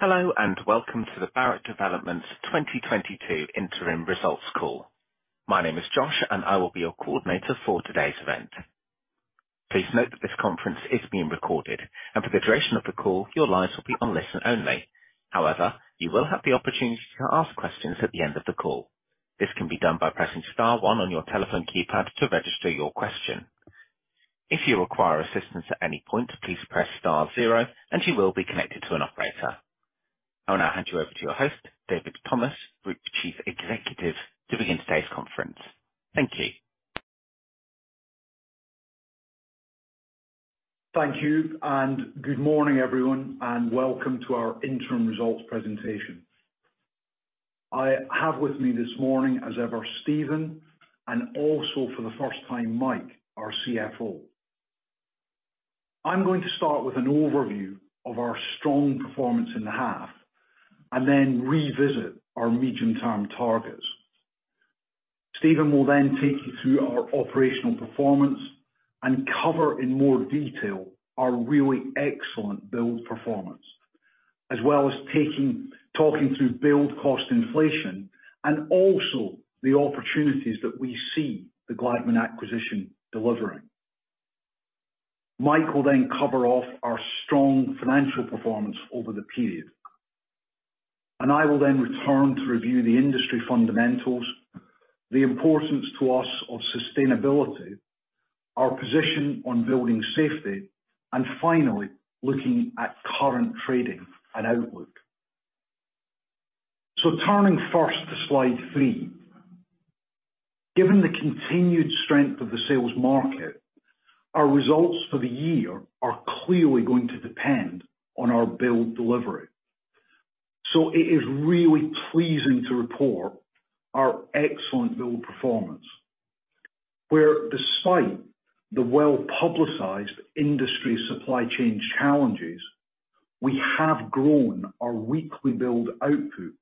Hello, and welcome to the Barratt Developments 2022 interim results call. My name is Josh, and I will be your coordinator for today's event. Please note that this conference is being recorded, and for the duration of the call, your lines will be on listen-only. However, you will have the opportunity to ask questions at the end of the call. This can be done by pressing star one on your telephone keypad to register your question. If you require assistance at any point, please press star zero and you will be connected to an operator. I will now hand you over to your host, David Thomas, Group Chief Executive, to begin today's conference. Thank you. Thank you, and good morning, everyone, and welcome to our interim results presentation. I have with me this morning, as ever, Steven, and also for the first time, Mike, our CFO. I'm going to start with an overview of our strong performance in the half and then revisit our medium-term targets. Steven will then take you through our operational performance and cover in more detail our really excellent build performance, as well as talking through build cost inflation and also the opportunities that we see the Gladman acquisition delivering. Mike will then cover off our strong financial performance over the period. I will then return to review the industry fundamentals, the importance to us of sustainability, our position on building safety, and finally, looking at current trading and outlook. Turning first to slide three. Given the continued strength of the sales market, our results for the year are clearly going to depend on our build delivery. It is really pleasing to report our excellent build performance, where despite the well-publicized industry supply chain challenges, we have grown our weekly build output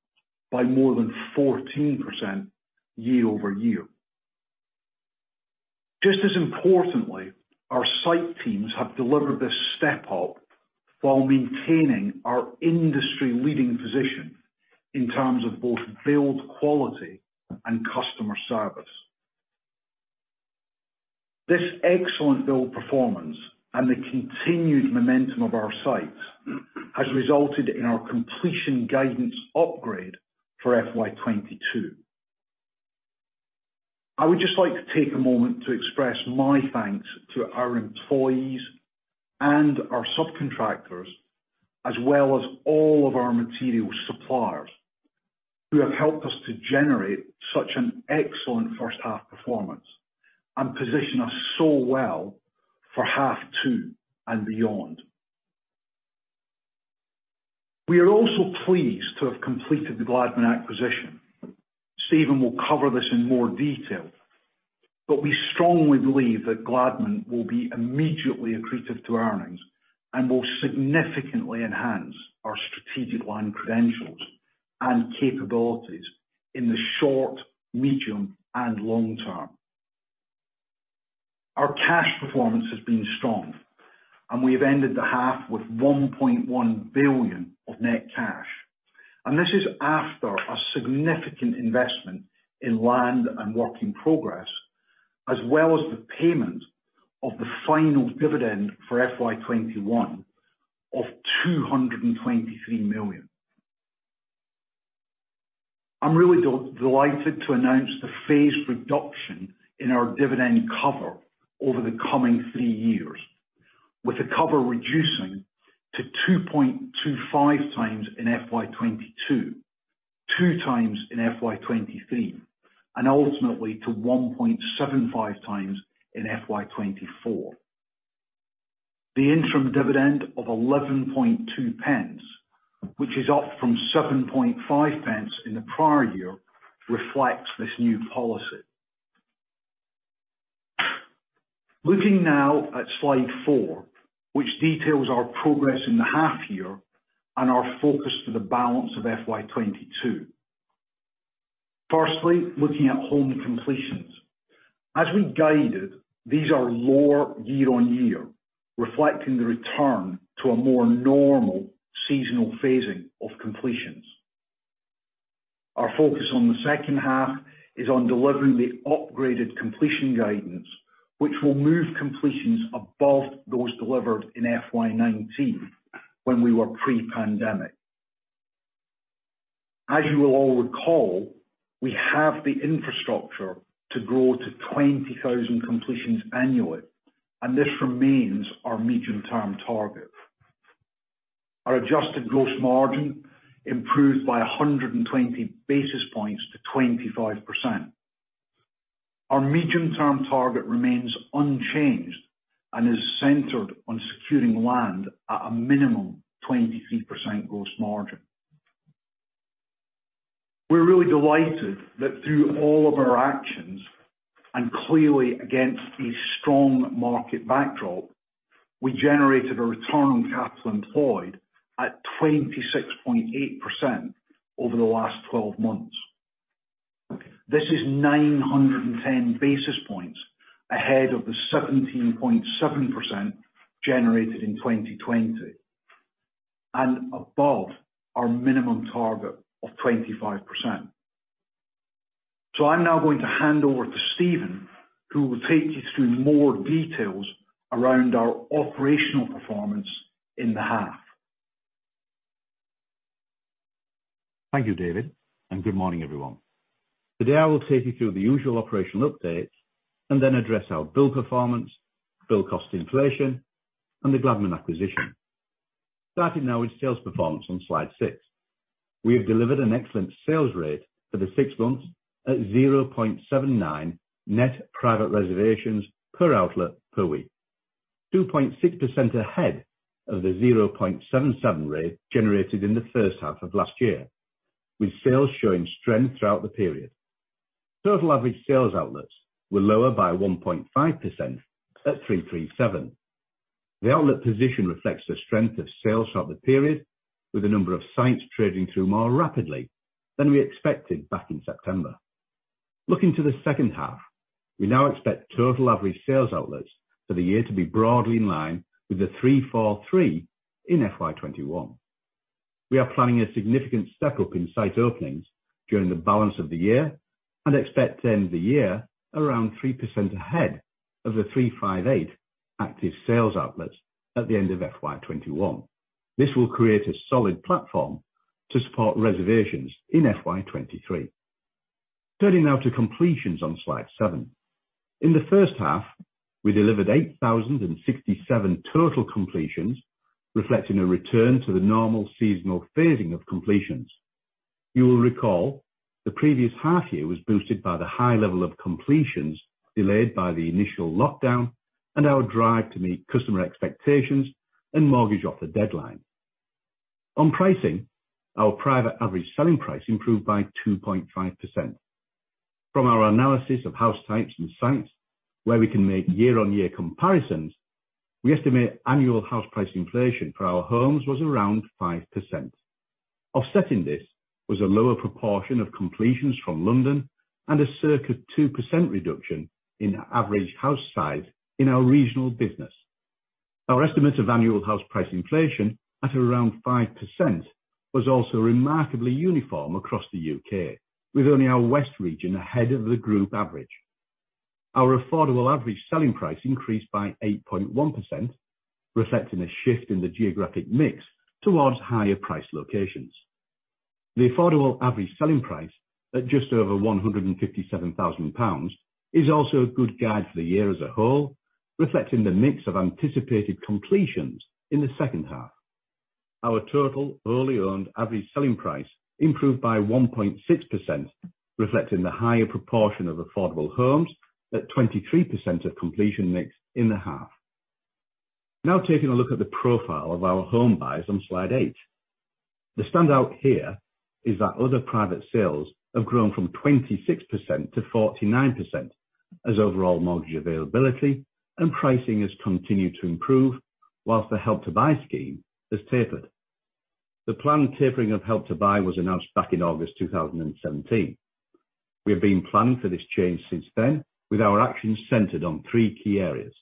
by more than 14% year-over-year. Just as importantly, our site teams have delivered this step up while maintaining our industry leading position in terms of both build quality and customer service. This excellent build performance and the continued momentum of our sites has resulted in our completion guidance upgrade for FY 2022. I would just like to take a moment to express my thanks to our employees and our subcontractors, as well as all of our material suppliers, who have helped us to generate such an excellent first half performance and position us so well for half two and beyond. We are also pleased to have completed the Gladman acquisition. Steven will cover this in more detail, but we strongly believe that Gladman will be immediately accretive to earnings and will significantly enhance our strategic land credentials and capabilities in the short, medium, and long term. Our cash performance has been strong and we have ended the half with 1.1 billion of net cash. This is after a significant investment in land and work in progress, as well as the payment of the final dividend for FY 2021 of GBP 223 million. I'm really delighted to announce the phased reduction in our dividend cover over the coming three years, with the cover reducing to 2.25x in FY 2022, 2x in FY 2023, and ultimately to 1.75x in FY 2024. The interim dividend of 0.112, which is up from 0.075 in the prior year, reflects this new policy. Looking now at slide four, which details our progress in the half year and our focus for the balance of FY 2022. Firstly, looking at home completions. As we guided, these are lower year-on-year, reflecting the return to a more normal seasonal phasing of completions. Our focus on the second half is on delivering the upgraded completion guidance, which will move completions above those delivered in FY 2019 when we were pre-pandemic. As you will all recall, we have the infrastructure to grow to 20,000 completions annually, and this remains our medium-term target. Our adjusted gross margin improved by 120 basis points to 25%. Our medium-term target remains unchanged and is centered on securing land at a minimum 23% gross margin. We're really delighted that through all of our actions, and clearly against a strong market backdrop, we generated a return on capital employed at 26.8% over the last 12 months. This is 910 basis points ahead of the 17.7% generated in 2020 and above our minimum target of 25%. I'm now going to hand over to Steven, who will take you through more details around our operational performance in the half. Thank you, David, and good morning, everyone. Today, I will take you through the usual operational updates and then address our build performance, build cost inflation, and the Gladman acquisition. Starting now with sales performance on slide six. We have delivered an excellent sales rate for the six months at 0.79 net private reservations per outlet per week. 2.6% ahead of the 0.77 rate generated in the first half of last year, with sales showing strength throughout the period. Total average sales outlets were lower by 1.5% at 337. The outlet position reflects the strength of sales throughout the period, with a number of sites trading through more rapidly than we expected back in September. Looking to the second half, we now expect total average sales outlets for the year to be broadly in line with the 343 in FY 2021. We are planning a significant stack up in site openings during the balance of the year and expect to end the year around 3% ahead of the 358 active sales outlets at the end of FY 2021. This will create a solid platform to support reservations in FY 2023. Turning now to completions on slide seven. In the first half, we delivered 8,067 total completions, reflecting a return to the normal seasonal phasing of completions. You will recall the previous half year was boosted by the high level of completions delayed by the initial lockdown and our drive to meet customer expectations and mortgage offer deadline. On pricing, our private average selling price improved by 2.5%. From our analysis of house types and sites where we can make year-on-year comparisons, we estimate annual house price inflation for our homes was around 5%. Offsetting this was a lower proportion of completions from London and a circa 2% reduction in average house size in our regional business. Our estimate of annual house price inflation at around 5% was also remarkably uniform across the U.K., with only our west region ahead of the group average. Our affordable average selling price increased by 8.1%, reflecting a shift in the geographic mix towards higher price locations. The affordable average selling price, at just over 157,000 pounds, is also a good guide for the year as a whole, reflecting the mix of anticipated completions in the second half. Our total early owned average selling price improved by 1.6%, reflecting the higher proportion of affordable homes at 23% of completion mix in the half. Now taking a look at the profile of our home buyers on slide eight. The standout here is that other private sales have grown from 26% - 49% as overall mortgage availability and pricing has continued to improve while the Help to Buy scheme has tapered. The planned tapering of Help to Buy was announced back in August 2017. We have been planning for this change since then, with our actions centered on three key areas.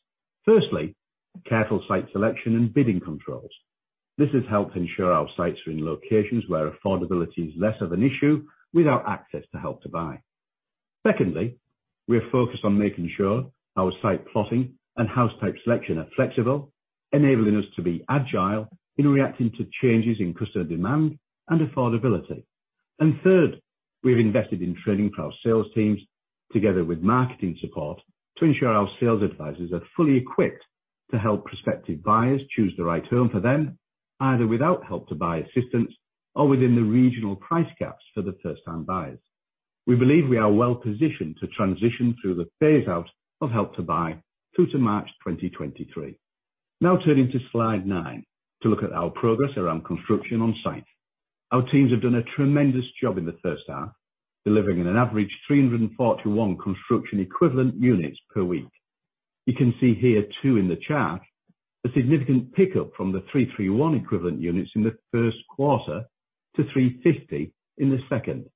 Firstly, careful site selection and bidding controls. This has helped ensure our sites are in locations where affordability is less of an issue without access to Help to Buy. Secondly, we are focused on making sure our site plotting and house type selection are flexible, enabling us to be agile in reacting to changes in customer demand and affordability. Third, we've invested in training for our sales teams together with marketing support to ensure our sales advisors are fully equipped to help prospective buyers choose the right home for them, either without Help to Buy assistance or within the regional price caps for the first-time buyers. We believe we are well-positioned to transition through the phase out of Help to Buy through to March 2023. Now turning to slide 9 to look at our progress around construction on site. Our teams have done a tremendous job in the first half, delivering an average of 341 construction equivalent units per week. You can see here too in the chart a significant pickup from the 331 equivalent units in the first quarter to 350 in the second.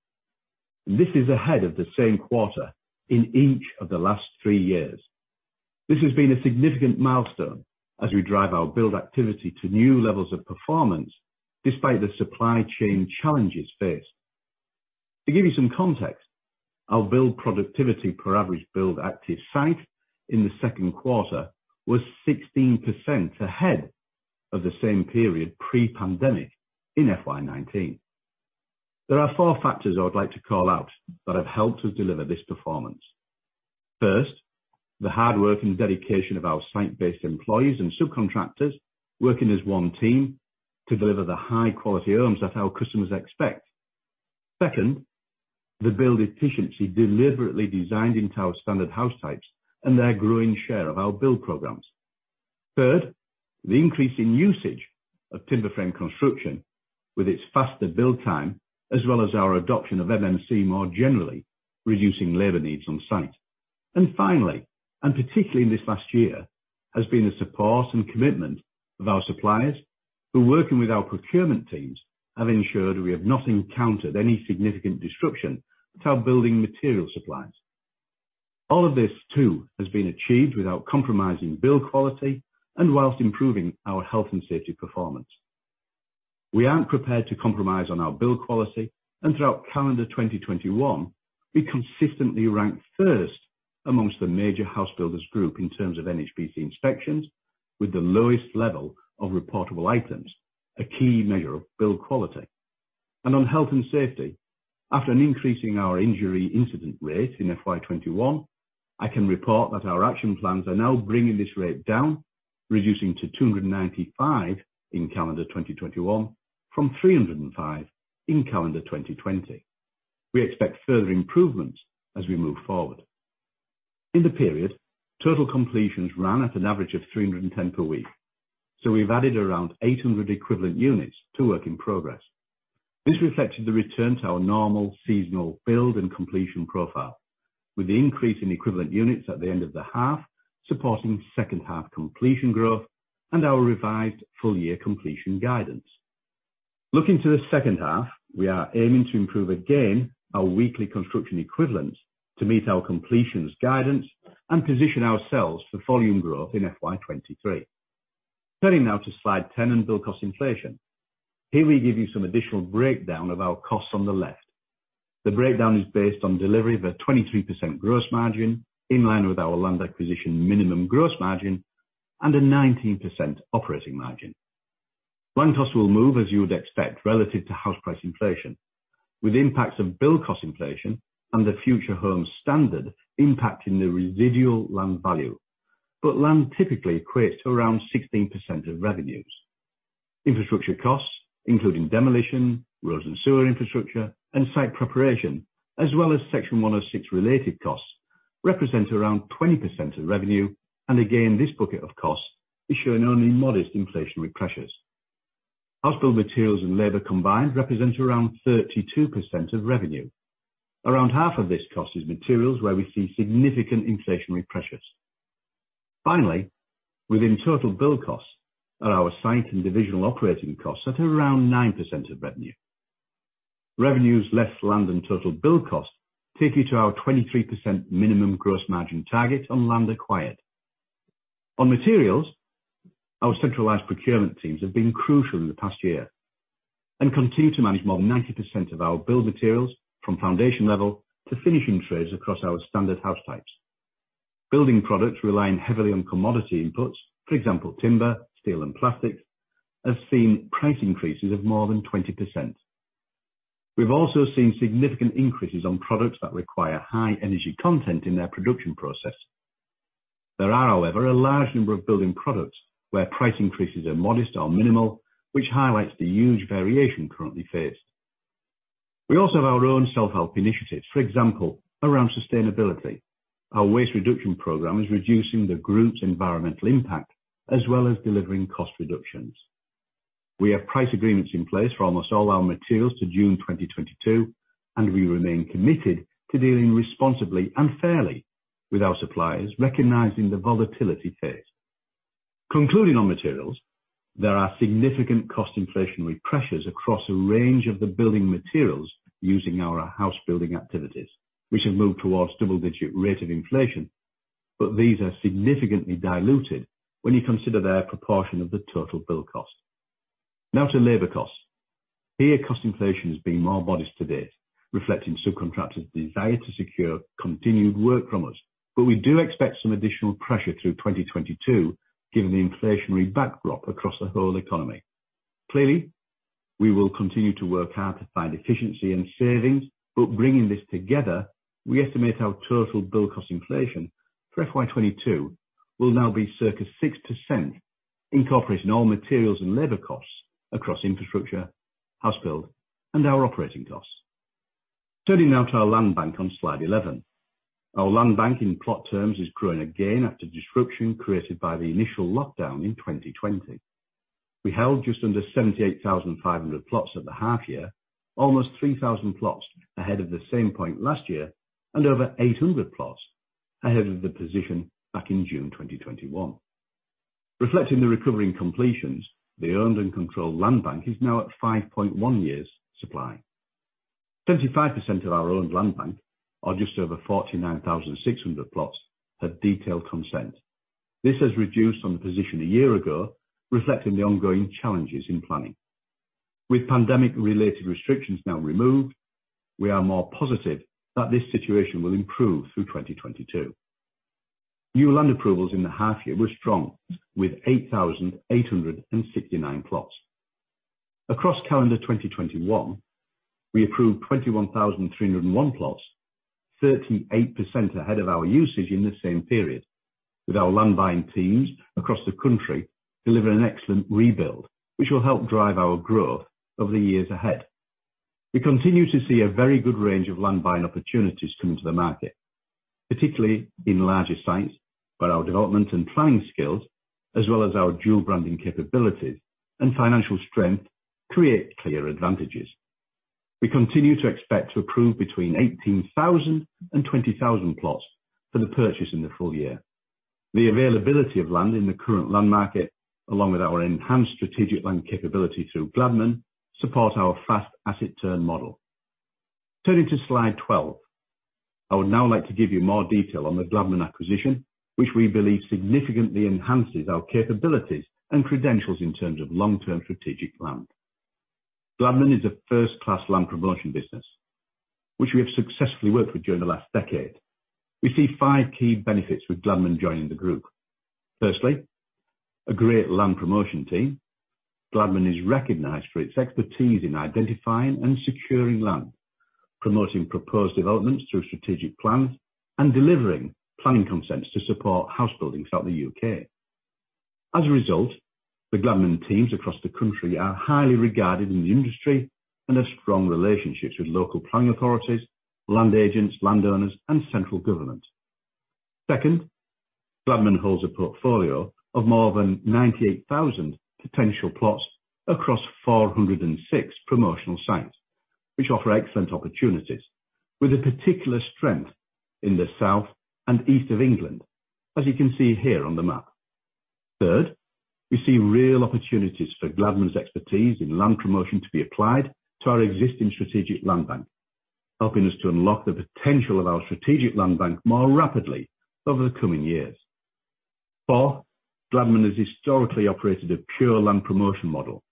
This is ahead of the same quarter in each of the last three years. This has been a significant milestone as we drive our build activity to new levels of performance despite the supply chain challenges faced. To give you some context, our build productivity per average build active site in the second quarter was 16% ahead of the same period pre-pandemic in FY 2019. There are four factors I would like to call out that have helped us deliver this performance. First, the hard work and dedication of our site-based employees and subcontractors working as one team to deliver the high-quality homes that our customers expect. Second, the build efficiency deliberately designed into our standard house types and their growing share of our build programs. Third, the increase in usage of timber frame construction with its faster build time, as well as our adoption of MMC more generally, reducing labor needs on site. Finally, and particularly in this last year, has been the support and commitment of our suppliers, who, working with our procurement teams, have ensured we have not encountered any significant disruption to our building material supplies. All of this too has been achieved without compromising build quality, and while improving our health and safety performance. We aren't prepared to compromise on our build quality, and throughout calendar 2021, we consistently ranked first amongst the major house builders group in terms of NHBC inspections, with the lowest level of reportable items, a key measure of build quality. On health and safety, after an increase in our injury incident rate in FY 2021, I can report that our action plans are now bringing this rate down, reducing to 295 in calendar 2021 from 305 in calendar 2020. We expect further improvements as we move forward. In the period, total completions ran at an average of 310 per week. We've added around 800 equivalent units to work in progress. This reflected the return to our normal seasonal build and completion profile, with the increase in equivalent units at the end of the half supporting second half completion growth and our revised full year completion guidance. Looking to the second half, we are aiming to improve again our weekly construction equivalents to meet our completions guidance and position ourselves for volume growth in FY 2023. Turning now to slide 10 on build cost inflation. Here we give you some additional breakdown of our costs on the left. The breakdown is based on delivery of a 23% gross margin, in line with our land acquisition minimum gross margin, and a 19% operating margin. Land costs will move, as you would expect, relative to house price inflation, with impacts of build cost inflation and the Future Homes Standard impacting the residual land value. Land typically equates to around 16% of revenues. Infrastructure costs, including demolition, roads and sewer infrastructure, and site preparation, as well as Section 106 related costs, represent around 20% of revenue. Again, this bucket of costs is showing only modest inflationary pressures. House build materials and labor combined represent around 32% of revenue. Around half of this cost is materials where we see significant inflationary pressures. Finally, within total build costs are our site and divisional operating costs, at around 9% of revenue. Revenues less land and total build cost take you to our 23% minimum gross margin target on land acquired. On materials, our centralized procurement teams have been crucial in the past year and continue to manage more than 90% of our build materials from foundation level to finishing trades across our standard house types. Building products relying heavily on commodity inputs, for example, timber, steel and plastics, have seen price increases of more than 20%. We've also seen significant increases on products that require high energy content in their production process. There are, however, a large number of building products where price increases are modest or minimal, which highlights the huge variation currently faced. We also have our own self-help initiatives for example, around sustainability. Our waste reduction program is reducing the group's environmental impact as well as delivering cost reductions. We have price agreements in place for almost all our materials to June 2022, and we remain committed to dealing responsibly and fairly with our suppliers, recognizing the volatility faced. Concluding on materials, there are significant cost inflationary pressures across a range of the building materials used in our house building activities, which have moved towards double-digit rate of inflation, but these are significantly diluted when you consider their proportion of the total build cost. Now to labor costs. Here, cost inflation has been more modest to date, reflecting subcontractors' desire to secure continued work from us. We do expect some additional pressure through 2022, given the inflationary backdrop across the whole economy. Clearly, we will continue to work hard to find efficiency and savings, but bringing this together, we estimate our total build cost inflation for FY 2022 will now be circa 6%, incorporating all materials and labor costs across infrastructure, house build, and our operating costs. Turning now to our land bank on slide 11. Our land bank in plot terms is growing again after disruption created by the initial lockdown in 2020. We held just under 78,500 plots at the half year, almost 3,000 plots ahead of the same point last year, and over 800 plots ahead of the position back in June 2021. Reflecting the recovery in completions, the owned and controlled land bank is now at 5.1 years supply. 75% of our owned land bank, or just over 49,600 plots, have detailed consent. This has reduced from the position a year ago, reflecting the ongoing challenges in planning. With pandemic related restrictions now removed, we are more positive that this situation will improve through 2022. New land approvals in the half year were strong, with 8,869 plots. Across calendar 2021, we approved 21,301 plots, 38% ahead of our usage in the same period. With our land buying teams across the country delivering an excellent rebuild, which will help drive our growth over the years ahead. We continue to see a very good range of land buying opportunities come into the market, particularly in larger sites, where our development and planning skills, as well as our dual branding capabilities and financial strength, create clear advantages. We continue to expect to approve between 18,000 and 20,000 plots for the purchase in the full year. The availability of land in the current land market, along with our enhanced strategic land capability through Gladman, supports our fast asset turn model. Turning to slide 12. I would now like to give you more detail on the Gladman acquisition, which we believe significantly enhances our capabilities and credentials in terms of long-term strategic land. Gladman is a first-class land promotion business which we have successfully worked with during the last decade. We see five key benefits with Gladman joining the group. Firstly, a great land promotion team. Gladman is recognized for its expertise in identifying and securing land, promoting proposed developments through strategic plans, and delivering planning consents to support house building throughout the U.K. As a result, the Gladman teams across the country are highly regarded in the industry and have strong relationships with local planning authorities, land agents, landowners, and central government. Second, Gladman holds a portfolio of more than 98,000 potential plots across 406 promotional sites which offer excellent opportunities, with a particular strength in the south and east of England, as you can see here on the map. Third, we see real opportunities for Gladman's expertise in land promotion to be applied to our existing strategic land bank, helping us to unlock the potential of our strategic land bank more rapidly over the coming years. Four, Gladman has historically operated a pure land promotion model.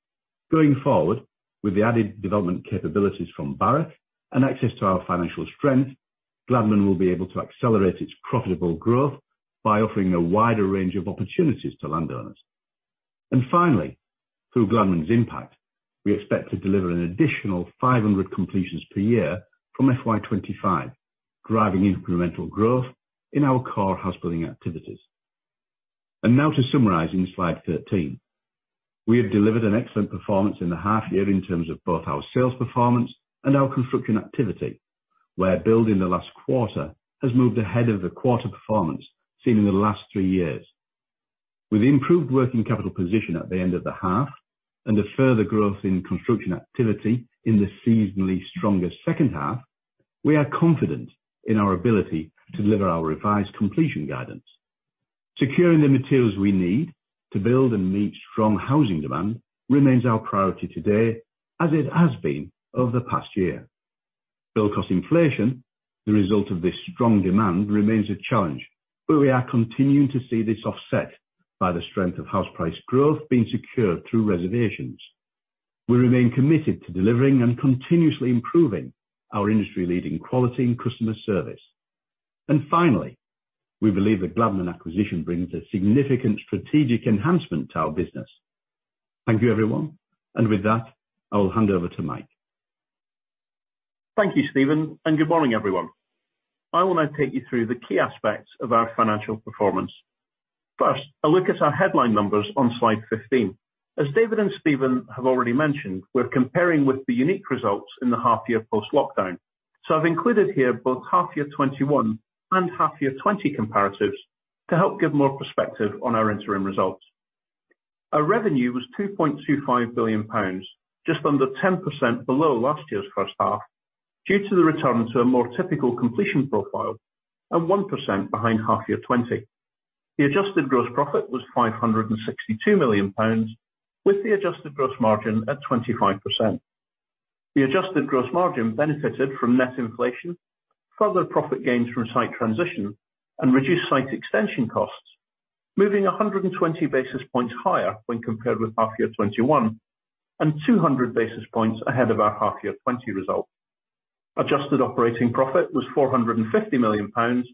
Going forward, with the added development capabilities from Barratt and access to our financial strength, Gladman will be able to accelerate its profitable growth by offering a wider range of opportunities to landowners. Finally, through Gladman's impact, we expect to deliver an additional 500 completions per year from FY 2025, driving incremental growth in our core housebuilding activities. Now to summarize in slide 13. We have delivered an excellent performance in the half year in terms of both our sales performance and our construction activity, where build in the last quarter has moved ahead of the quarter performance seen in the last three years. With improved working capital position at the end of the half and a further growth in construction activity in the seasonally stronger second half, we are confident in our ability to deliver our revised completion guidance. Securing the materials we need to build and meet strong housing demand remains our priority today, as it has been over the past year. Build cost inflation, the result of this strong demand, remains a challenge. We are continuing to see this offset by the strength of house price growth being secured through reservations. We remain committed to delivering and continuously improving our industry-leading quality and customer service. Finally, we believe the Gladman acquisition brings a significant strategic enhancement to our business. Thank you, everyone. With that, I will hand over to Mike. Thank you, Steven, and good morning, everyone. I will now take you through the key aspects of our financial performance. First, a look at our headline numbers on slide 15. As David and Steven have already mentioned, we're comparing with the unique results in the half year post-lockdown. I've included here both half year 2021 and half year 2020 comparatives to help give more perspective on our interim results. Our revenue was 2.25 billion pounds, just under 10% below last year's first half due to the return to a more typical completion profile and 1% behind half year 2020. The adjusted gross profit was 562 million pounds, with the adjusted gross margin at 25%. The adjusted gross margin benefited from net inflation, further profit gains from site transition, and reduced site extension costs, moving 120 basis points higher when compared with half year 2021, and 200 basis points ahead of our half year 2020 result. Adjusted operating profit was 450 million pounds,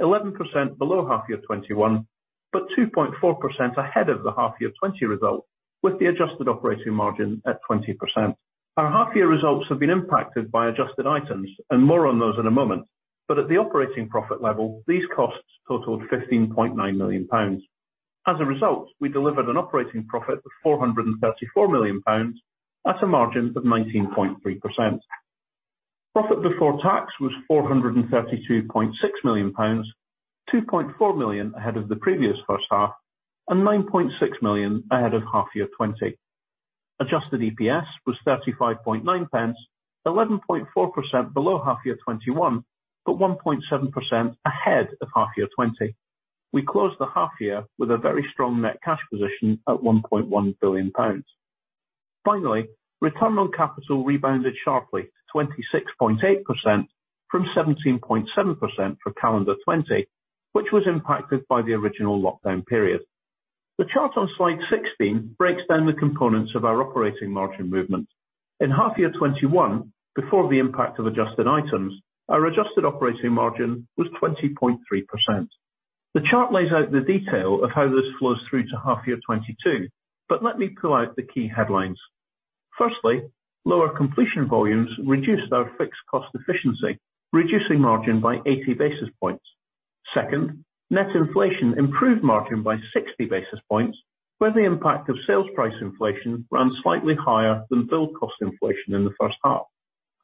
11% below half year 2021, but 2.4% ahead of the half year 2020 result, with the adjusted operating margin at 20%. Our half year results have been impacted by adjusted items, and more on those in a moment. At the operating profit level, these costs totaled 15.9 million pounds. As a result, we delivered an operating profit of 434 million pounds at a margin of 19.3%. Profit before tax was 432.6 million pounds, 2.4 million ahead of the previous first half and 9.6 million ahead of half year 2020. Adjusted EPS was 35.9 pence, 11.4% below half year 2021, but 1.7% ahead of half year 2020. We closed the half year with a very strong net cash position at 1.1 billion pounds. Finally, return on capital rebounded sharply to 26.8% from 17.7% for calendar 2020, which was impacted by the original lockdown period. The chart on slide 16 breaks down the components of our operating margin movement. In half year 2021, before the impact of adjusted items, our adjusted operating margin was 20.3%. The chart lays out the detail of how this flows through to half year 2022, but let me pull out the key headlines. Firstly, lower completion volumes reduced our fixed cost efficiency, reducing margin by 80 basis points. Second, net inflation improved margin by 60 basis points, where the impact of sales price inflation ran slightly higher than build cost inflation in the first half.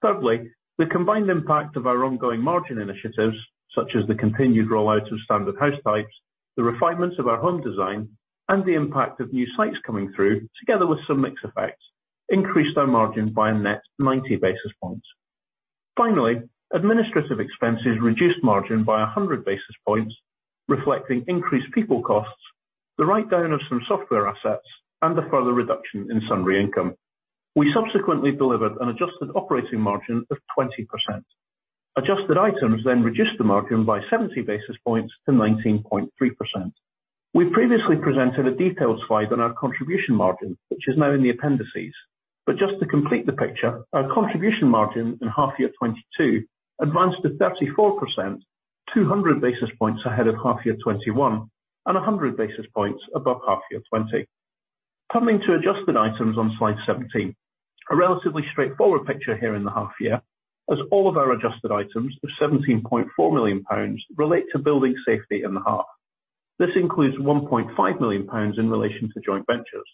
Thirdly, the combined impact of our ongoing margin initiatives, such as the continued rollout of standard house types, the refinements of our home design and the impact of new sites coming through together with some mix effects, increased our margin by a net 90 basis points. Finally, administrative expenses reduced margin by 100 basis points, reflecting increased people costs, the write-down of some software assets, and the further reduction in sundry income. We subsequently delivered an adjusted operating margin of 20%. Adjusted items reduced the margin by 70 basis points to 19.3%. We previously presented a detailed slide on our contribution margin, which is now in the appendices. Just to complete the picture, our contribution margin in half year 2022 advanced to 34%, 200 basis points ahead of half year 2021 and 100 basis points above half year 2020. Coming to adjusted items on slide 17. A relatively straightforward picture here in the half year, as all of our adjusted items of 17.4 million pounds relate to building safety in the half. This includes 1.5 million pounds in relation to joint ventures.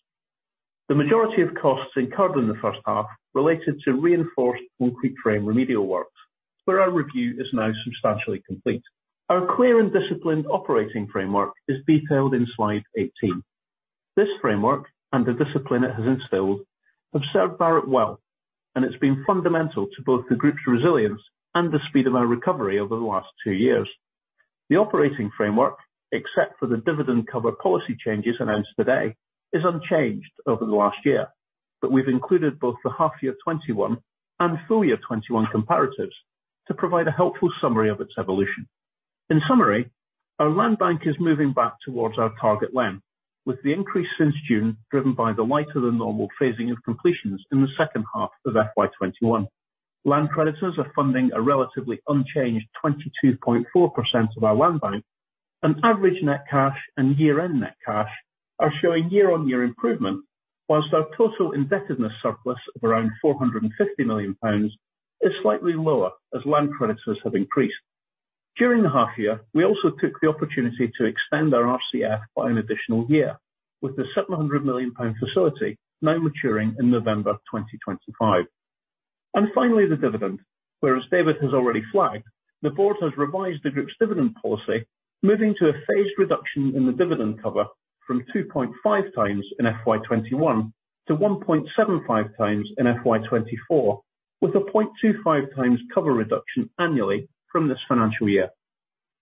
The majority of costs incurred in the first half related to reinforced concrete frame remedial works, where our review is now substantially complete. Our clear and disciplined operating framework is detailed in slide 18. This framework and the discipline it has instilled have served Barratt well, and it's been fundamental to both the group's resilience and the speed of our recovery over the last two years. The operating framework, except for the dividend cover policy changes announced today, is unchanged over the last year, but we've included both the half year 2021 and full year 2021 comparatives to provide a helpful summary of its evolution. In summary, our land bank is moving back towards our target length, with the increase since June driven by the lighter than normal phasing of completions in the second half of FY 2021. Land creditors are funding a relatively unchanged 22.4% of our land bank, and average net cash and year-end net cash are showing year-on-year improvement, while our total indebtedness surplus of around 450 million pounds is slightly lower as land creditors have increased. During the half year, we also took the opportunity to extend our RCF by an additional year, with the GBP 700 million facility now maturing in November 2025. Finally, the dividend. Whereas David has already flagged, the board has revised the group's dividend policy, moving to a phased reduction in the dividend cover from 2.5 times in FY 2021 to 1.75 times in FY 2024, with a 0.25 times cover reduction annually from this financial year.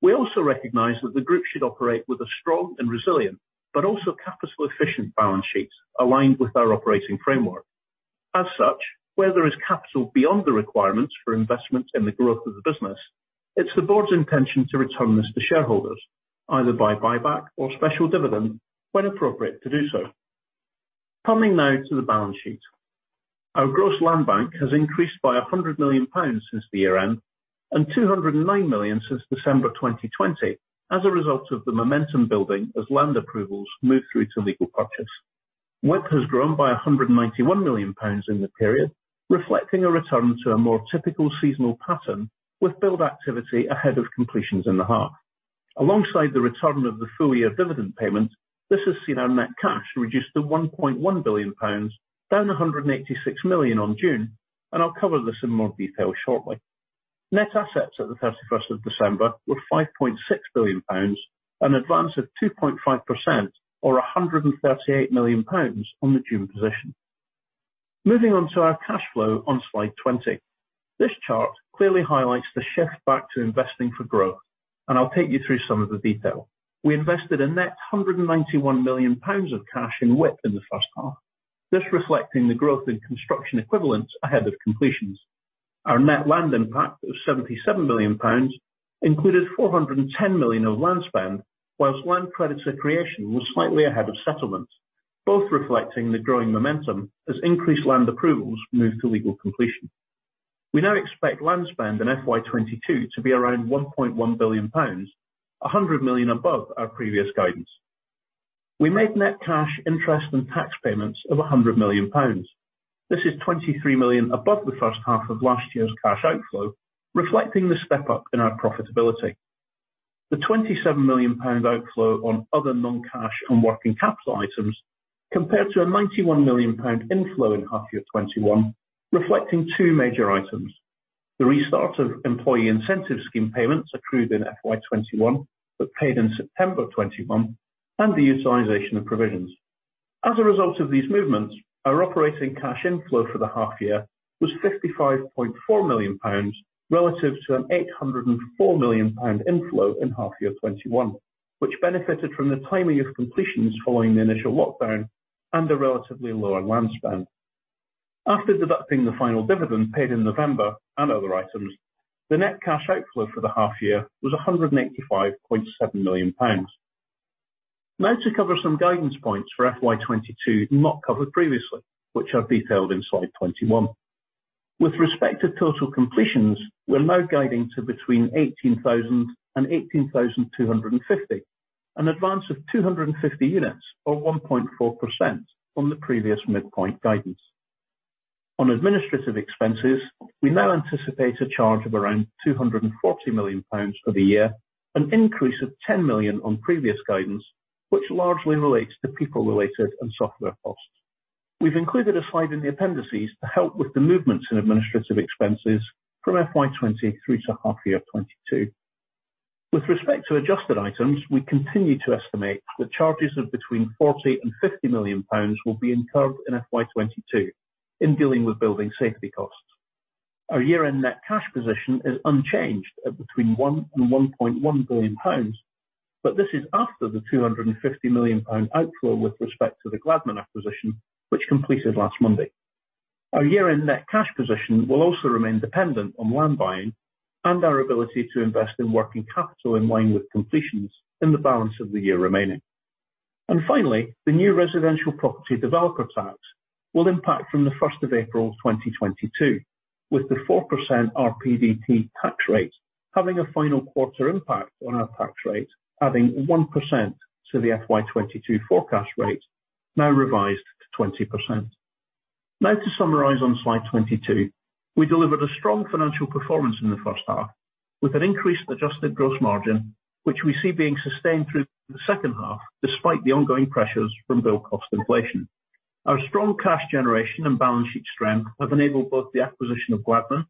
We also recognize that the group should operate with a strong and resilient, but also capital-efficient balance sheet aligned with our operating framework. As such, where there is capital beyond the requirements for investment in the growth of the business, it's the board's intention to return this to shareholders, either by buyback or special dividend, when appropriate to do so. Coming now to the balance sheet. Our gross land bank has increased by 100 million pounds since the year-end and 209 million since December 2020 as a result of the momentum building as land approvals move through to legal purchase. WIP has grown by 191 million pounds in the period, reflecting a return to a more typical seasonal pattern with build activity ahead of completions in the half. Alongside the return of the full-year dividend payment, this has seen our net cash reduced to 1.1 billion pounds, down 186 million on June, and I'll cover this in more detail shortly. Net assets at December 31 were 5.6 billion pounds, an advance of 2.5% or 138 million pounds on the June position. Moving on to our cash flow on slide 20. This chart clearly highlights the shift back to investing for growth, and I'll take you through some of the detail. We invested a net 191 million pounds of cash in WIP in the first half. This reflecting the growth in construction equivalents ahead of completions. Our net land impact of 77 million pounds included 410 million of land spend, while land credits accretion was slightly ahead of settlement, both reflecting the growing momentum as increased land approvals moved to legal completion. We now expect land spend in FY 2022 to be around 1.1 billion pounds, 100 million above our previous guidance. We made net cash interest and tax payments of 100 million pounds. This is 23 million above the first half of last year's cash outflow, reflecting the step up in our profitability. The 27 million pound outflow on other non-cash and working capital items compared to a 91 million pound inflow in half year 2021, reflecting two major items. The restart of employee incentive scheme payments accrued in FY 2021, but paid in September 2021, and the utilization of provisions. As a result of these movements, our operating cash inflow for the half year was 55.4 million pounds relative to a 804 million pound inflow in half year 2021, which benefited from the timing of completions following the initial lockdown and a relatively lower land spend. After deducting the final dividend paid in November and other items, the net cash outflow for the half year was 185.7 million pounds. Now to cover some guidance points for FY 2022 not covered previously, which I've detailed in slide 21. With respect to total completions, we're now guiding to between 18,000 and 18,250, an advance of 250 units or 1.4% from the previous midpoint guidance. On administrative expenses, we now anticipate a charge of around 240 million pounds for the year, an increase of 10 million on previous guidance, which largely relates to people-related and software costs. We've included a slide in the appendices to help with the movements in administrative expenses from FY 2023 to half year 2022. With respect to adjusted items, we continue to estimate that charges of between 40 million and 50 million pounds will be incurred in FY 2022 in dealing with building safety costs. Our year-end net cash position is unchanged at between 1 billion and 1.1 billion pounds, but this is after the 250 million pound outflow with respect to the Gladman acquisition, which completed last Monday. Our year-end net cash position will also remain dependent on land buying and our ability to invest in working capital in line with completions in the balance of the year remaining. Finally, the new Residential Property Developer Tax will impact from April 1, 2022, with the 4% RPDT tax rate having a final quarter impact on our tax rate, adding 1% to the FY 2022 forecast rate, now revised to 20%. Now to summarize on slide 22, we delivered a strong financial performance in the first half with an increased adjusted gross margin, which we see being sustained through the second half despite the ongoing pressures from build cost inflation. Our strong cash generation and balance sheet strength have enabled both the acquisition of Gladman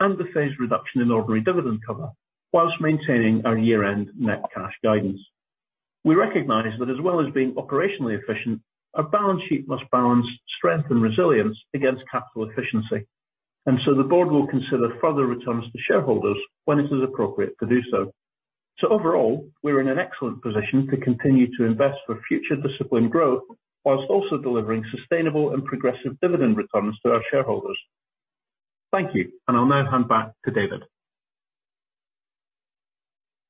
and the phased reduction in ordinary dividend cover while maintaining our year-end net cash guidance. We recognize that as well as being operationally efficient, our balance sheet must balance strength and resilience against capital efficiency. The board will consider further returns to shareholders when it is appropriate to do so. Overall, we're in an excellent position to continue to invest for future disciplined growth whilst also delivering sustainable and progressive dividend returns to our shareholders. Thank you. I'll now hand back to David.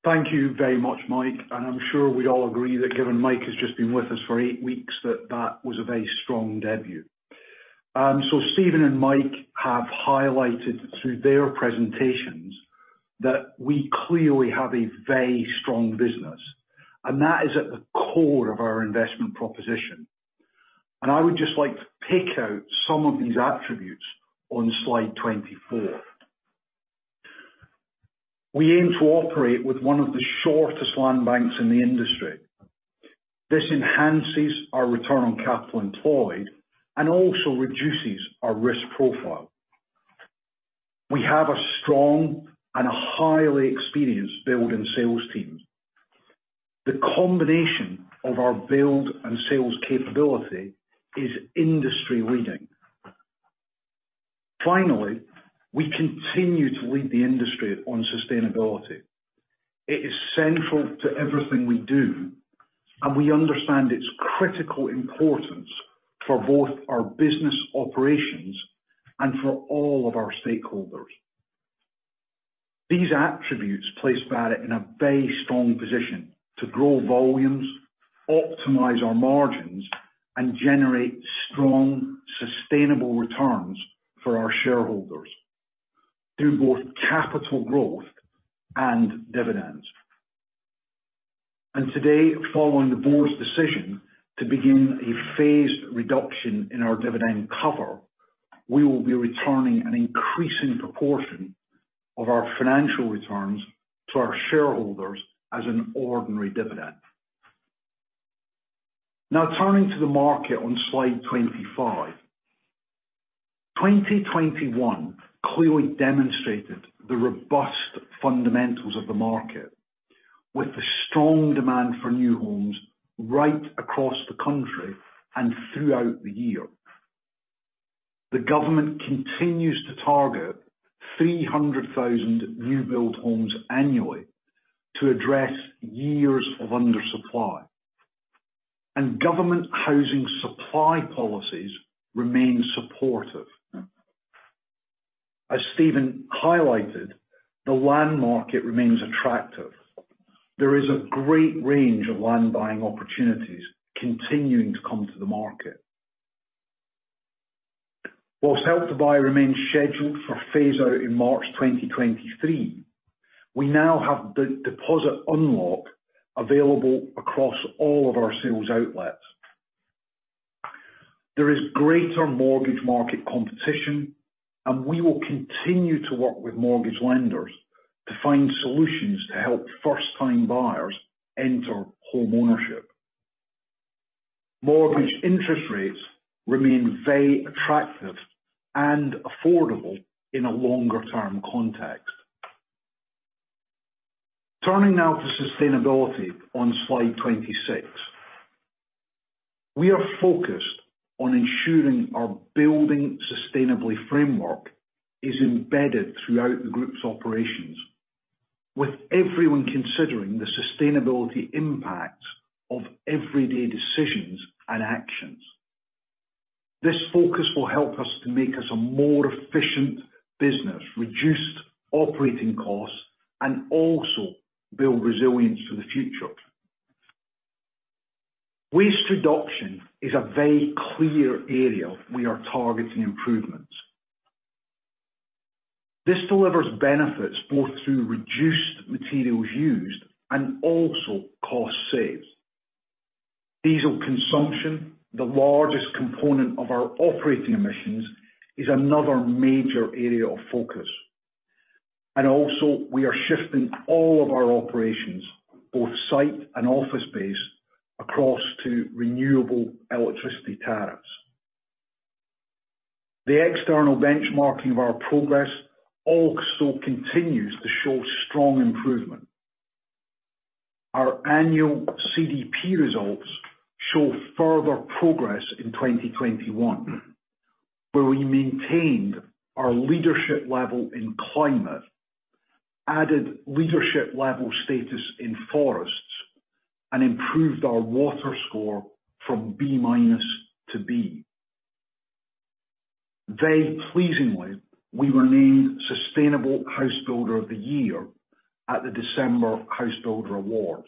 Thank you very much, Mike. I'm sure we all agree that given Mike has just been with us for eight weeks, that was a very strong debut. Steven and Mike have highlighted through their presentations that we clearly have a very strong business, and that is at the core of our investment proposition. I would just like to pick out some of these attributes on slide 24. We aim to operate with one of the shortest land banks in the industry. This enhances our return on capital employed and also reduces our risk profile. We have a strong and highly experienced build and sales team. The combination of our build and sales capability is industry-leading. Finally, we continue to lead the industry on sustainability. It is central to everything we do, and we understand its critical importance for both our business operations and for all of our stakeholders. These attributes place Barratt in a very strong position to grow volumes, optimize our margins, and generate strong, sustainable returns for our shareholders through both capital growth and dividends. Today, following the board's decision to begin a phased reduction in our dividend cover, we will be returning an increasing proportion of our financial returns to our shareholders as an ordinary dividend. Now turning to the market on slide 25. 2021 clearly demonstrated the robust fundamentals of the market with the strong demand for new homes right across the country and throughout the year. The government continues to target 300,000 new-build homes annually to address years of undersupply. Government housing supply policies remain supportive. As Steven highlighted, the land market remains attractive. There is a great range of land buying opportunities continuing to come to the market. While Help to Buy remains scheduled for phase-out in March 2023, we now have the Deposit Unlock available across all of our sales outlets. There is greater mortgage market competition, and we will continue to work with mortgage lenders to find solutions to help first-time buyers enter homeownership. Mortgage interest rates remain very attractive and affordable in a longer-term context. Turning now to sustainability on slide 26. We are focused on ensuring our building sustainably framework is embedded throughout the group's operations, with everyone considering the sustainability impact of everyday decisions and actions. This focus will help us to make us a more efficient business, reduced operating costs, and also build resilience for the future. Waste reduction is a very clear area we are targeting improvements. This delivers benefits both through reduced materials used and also cost saved. Diesel consumption, the largest component of our operating emissions, is another major area of focus. We are shifting all of our operations, both site and office space, across to renewable electricity tariffs. The external benchmarking of our progress also continues to show strong improvement. Our annual CDP results show further progress in 2021, where we maintained our leadership level in climate, added leadership level status in forests, and improved our water score from B- to B. Very pleasingly, we were named Sustainable Housebuilder of the Year at the December Housebuilder Awards.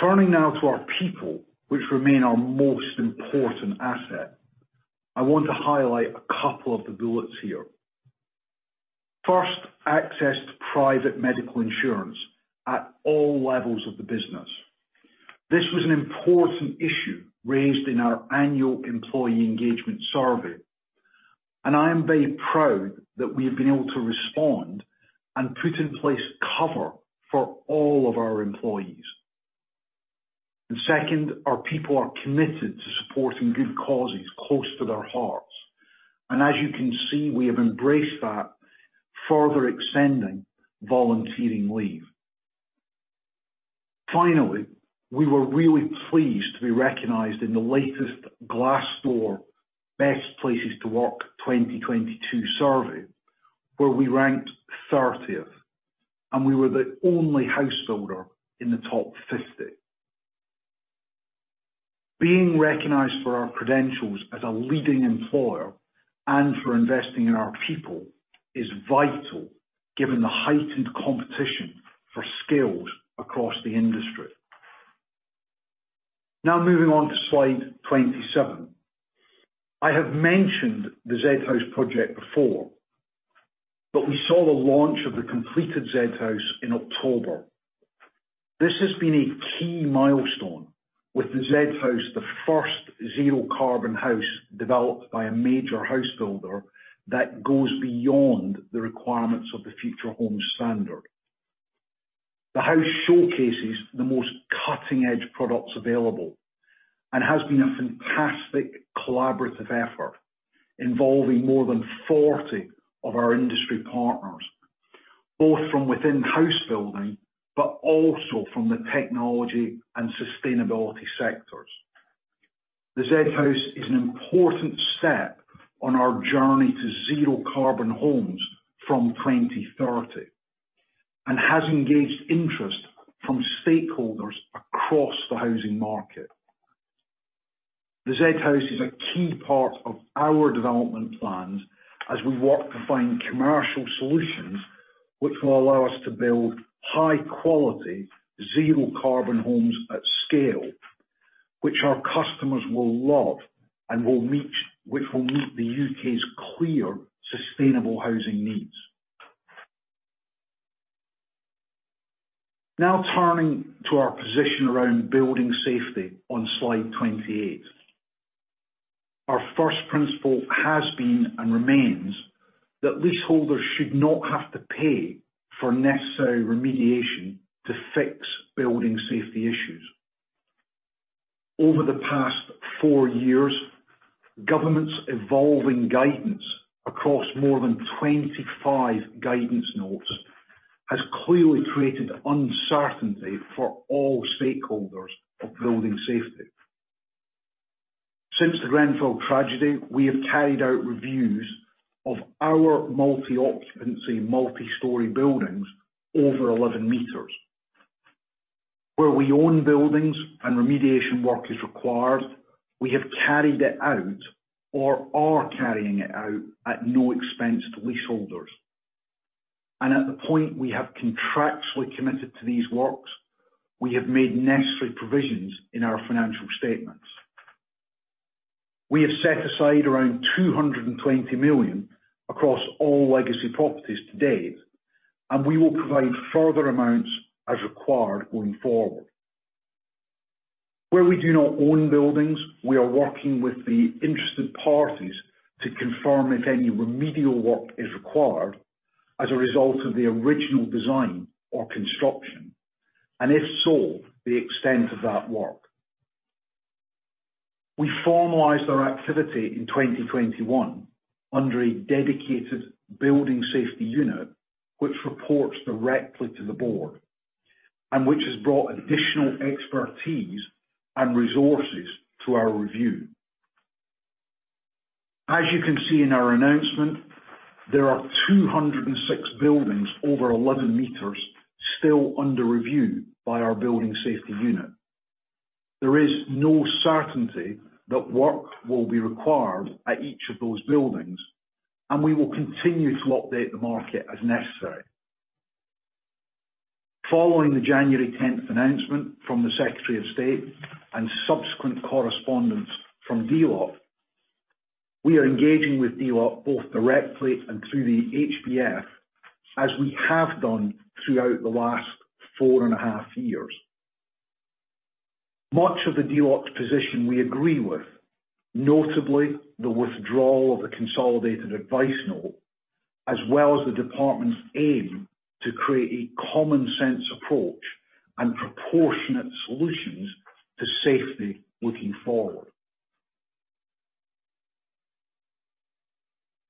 Turning now to our people, which remain our most important asset, I want to highlight a couple of the bullets here. First, access to private medical insurance at all levels of the business. This was an important issue raised in our annual employee engagement survey, and I am very proud that we have been able to respond and put in place cover for all of our employees. Second, our people are committed to supporting good causes close to their hearts. As you can see, we have embraced that, further extending volunteering leave. Finally, we were really pleased to be recognized in the latest Glassdoor Best Places to Work 2022 survey, where we ranked 30th, and we were the only house builder in the top 50. Being recognized for our credentials as a leading employer and for investing in our people is vital given the heightened competition for skills across the industry. Now moving on to slide 27. I have mentioned the Zed House project before, but we saw the launch of the completed Zed House in October. This has been a key milestone with the Zed House, the first zero carbon house developed by a major house builder that goes beyond the requirements of the Future Homes Standard. The house showcases the most cutting-edge products available and has been a fantastic collaborative effort involving more than 40 of our industry partners, both from within house building, but also from the technology and sustainability sectors. The Zed House is an important step on our journey to zero carbon homes from 2030 and has engaged interest from stakeholders across the housing market. The Zed House is a key part of our development plans as we work to find commercial solutions which will allow us to build high quality, zero carbon homes at scale, which our customers will love and which will meet the U.K.'s clear, sustainable housing needs. Now turning to our position around building safety on slide 28. Our first principle has been, and remains, that leaseholders should not have to pay for necessary remediation to fix building safety issues. Over the past four years, government's evolving guidance across more than 25 guidance notes has clearly created uncertainty for all stakeholders of building safety. Since the Grenfell tragedy, we have carried out reviews of our multi-occupancy, multi-story buildings over 11 meters. Where we own buildings and remediation work is required, we have carried it out or are carrying it out at no expense to leaseholders. At the point we have contractually committed to these works, we have made necessary provisions in our financial statements. We have set aside around 220 million across all legacy properties to date, and we will provide further amounts as required going forward. Where we do not own buildings, we are working with the interested parties to confirm if any remedial work is required as a result of the original design or construction, and if so, the extent of that work. We formalized our activity in 2021 under a dedicated building safety unit which reports directly to the board and which has brought additional expertise and resources to our review. As you can see in our announcement, there are 206 buildings over 11 meters still under review by our building safety unit. There is no certainty that work will be required at each of those buildings, and we will continue to update the market as necessary. Following the January 10 announcement from the Secretary of State and subsequent correspondence from DLUHC, we are engaging with DLUHC both directly and through the HBF, as we have done throughout the last 4.5 years. Much of the DLUHC's position we agree with, notably the withdrawal of the Consolidated Advice Note, as well as the department's aim to create a common sense approach and proportionate solutions to safety looking forward.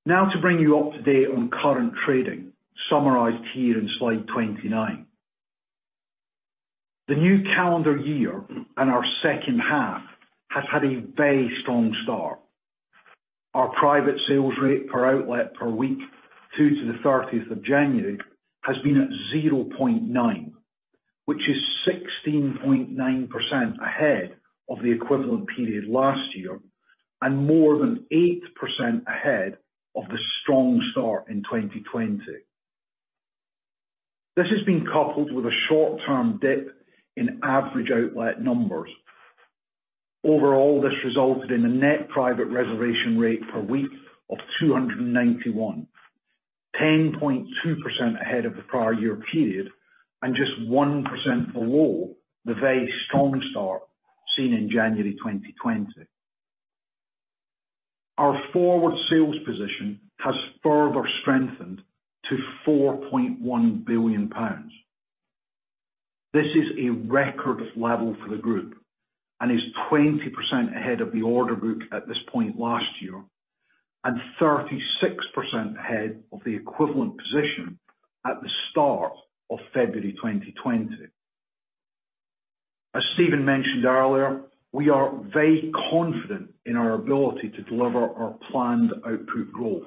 Now to bring you up to date on current trading, summarized here in slide 29. The new calendar year and our second half has had a very strong start. Our private sales rate per outlet per week through to January 30 has been at 0.9, which is 16.9% ahead of the equivalent period last year, and more than 8% ahead of the strong start in 2020. This has been coupled with a short-term dip in average outlet numbers. Overall, this resulted in a net private reservation rate per week of 291. 10.2% ahead of the prior year period and just 1% below the very strong start seen in January 2020. Our forward sales position has further strengthened to 4.1 billion pounds. This is a record level for the group and is 20% ahead of the order book at this point last year, and 36% ahead of the equivalent position at the start of February 2020. As Steven mentioned earlier, we are very confident in our ability to deliver our planned output growth.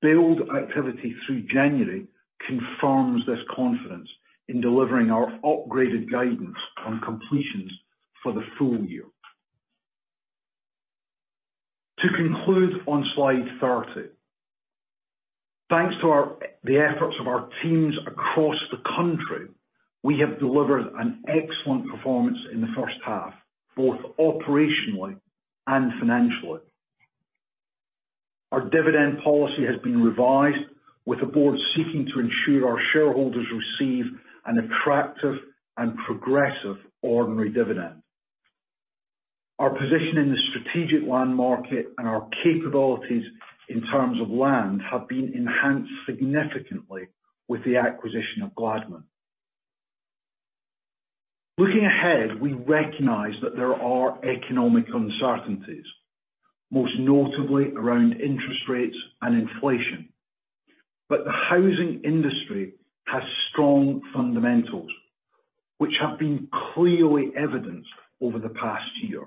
Build activity through January confirms this confidence in delivering our upgraded guidance on completions for the full year. To conclude on slide 30. Thanks to the efforts of our teams across the country, we have delivered an excellent performance in the first half, both operationally and financially. Our dividend policy has been revised with the board seeking to ensure our shareholders receive an attractive and progressive ordinary dividend. Our position in the strategic land market and our capabilities in terms of land have been enhanced significantly with the acquisition of Gladman. Looking ahead, we recognize that there are economic uncertainties, most notably around interest rates and inflation. The housing industry has strong fundamentals, which have been clearly evidenced over the past year.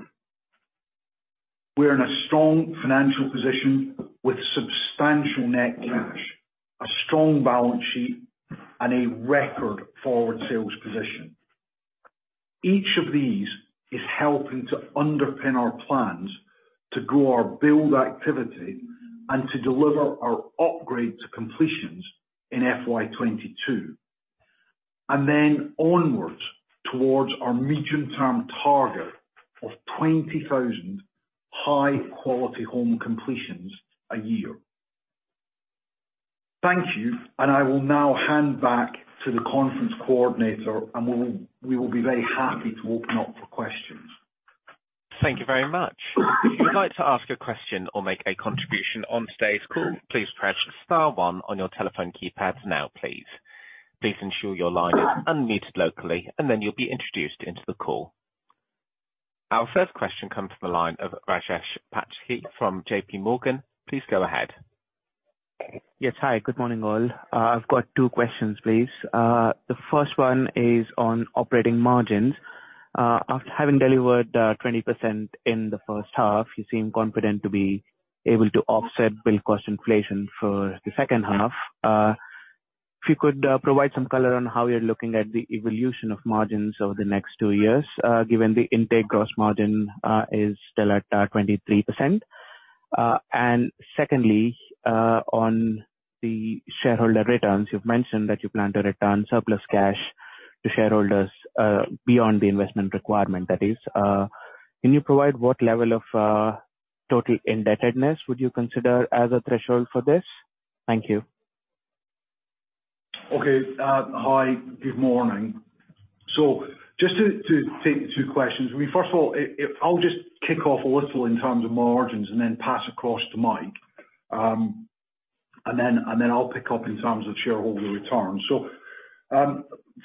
We're in a strong financial position with substantial net cash, a strong balance sheet, and a record forward sales position. Each of these is helping to underpin our plans to grow our build activity and to deliver our upgrade to completions in FY 2022. Then onwards towards our medium-term target of 20,000 high-quality home completions a year. Thank you, and I will now hand back to the conference coordinator, and we will be very happy to open up for questions. Thank you very much. If you'd like to ask a question or make a contribution on today's call, please press star one on your telephone keypads now please. Please ensure your line is unmuted locally and then you'll be introduced into the call. Our first question comes from the line of Rajesh Patki from JP Morgan. Please go ahead. Yes. Hi, good morning all. I've got two questions, please. The first one is on operating margins. After having delivered 20% in the first half, you seem confident to be able to offset build cost inflation for the second half. If you could provide some color on how you're looking at the evolution of margins over the next two years, given the intake gross margin is still at 23%. Secondly, on the shareholder returns. You've mentioned that you plan to return surplus cash to shareholders, beyond the investment requirement that is. Can you provide what level of total indebtedness would you consider as a threshold for this? Thank you. Okay. Hi, good morning. Just to take the two questions. I mean, first of all, I'll just kick off a little in terms of margins and then pass across to Mike. I'll pick up in terms of shareholder returns.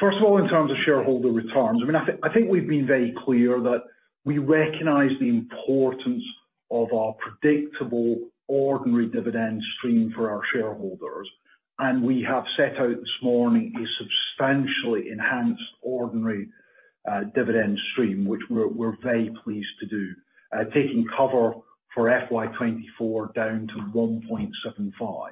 First of all, in terms of shareholder returns, I mean, I think we've been very clear that we recognize the importance of our predictable ordinary dividend stream for our shareholders. We have set out this morning a substantially enhanced ordinary dividend stream, which we're very pleased to do. Taking cover for FY 2024 down to 1.75.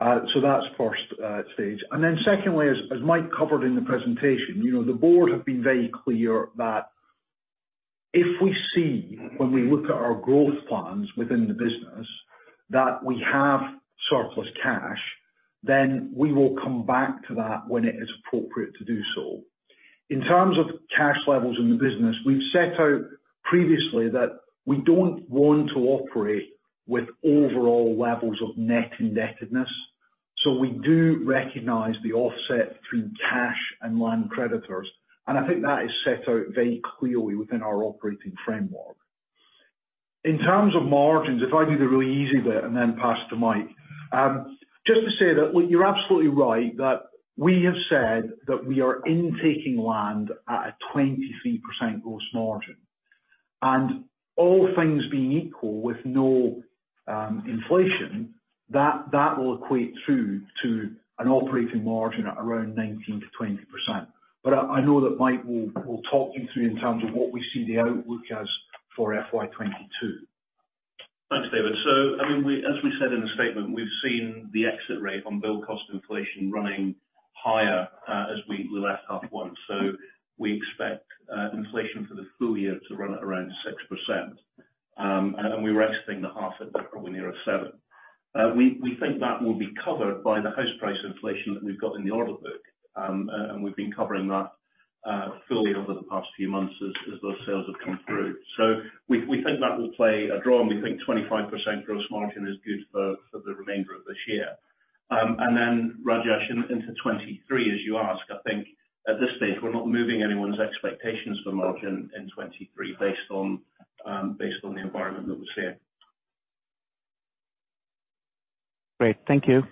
That's first stage. Secondly, as Mike covered in the presentation, you know, the board have been very clear that if we see when we look at our growth plans within the business that we have surplus cash, then we will come back to that when it is appropriate to do so. In terms of cash levels in the business, we've set out previously that we don't want to operate with overall levels of net indebtedness. We do recognize the offset between cash and land creditors, and I think that is set out very clearly within our operating framework. In terms of margins, if I do the really easy bit and then pass to Mike. Just to say that, look, you're absolutely right, that we have said that we are intaking land at a 23% gross margin. All things being equal with no inflation, that will equate through to an operating margin at around 19%-20%. I know that Mike will talk you through in terms of what we see the outlook as for FY 2022. Thanks, David. I mean, as we said in the statement, we've seen the exit rate on build cost inflation running higher as we enter the second half. We expect inflation for the full year to run at around 6%. We were exiting the half at probably nearer 7%. We think that will be covered by the house price inflation that we've got in the order book. We've been covering that fully over the past few months as those sales have come through. We think that will play out, and we think 25% gross margin is good for the remainder of this year. Rajesh, into 2023, as you ask, I think at this stage, we're not moving anyone's expectations for margin in 2023 based on the environment that we're seeing. Great. Thank you.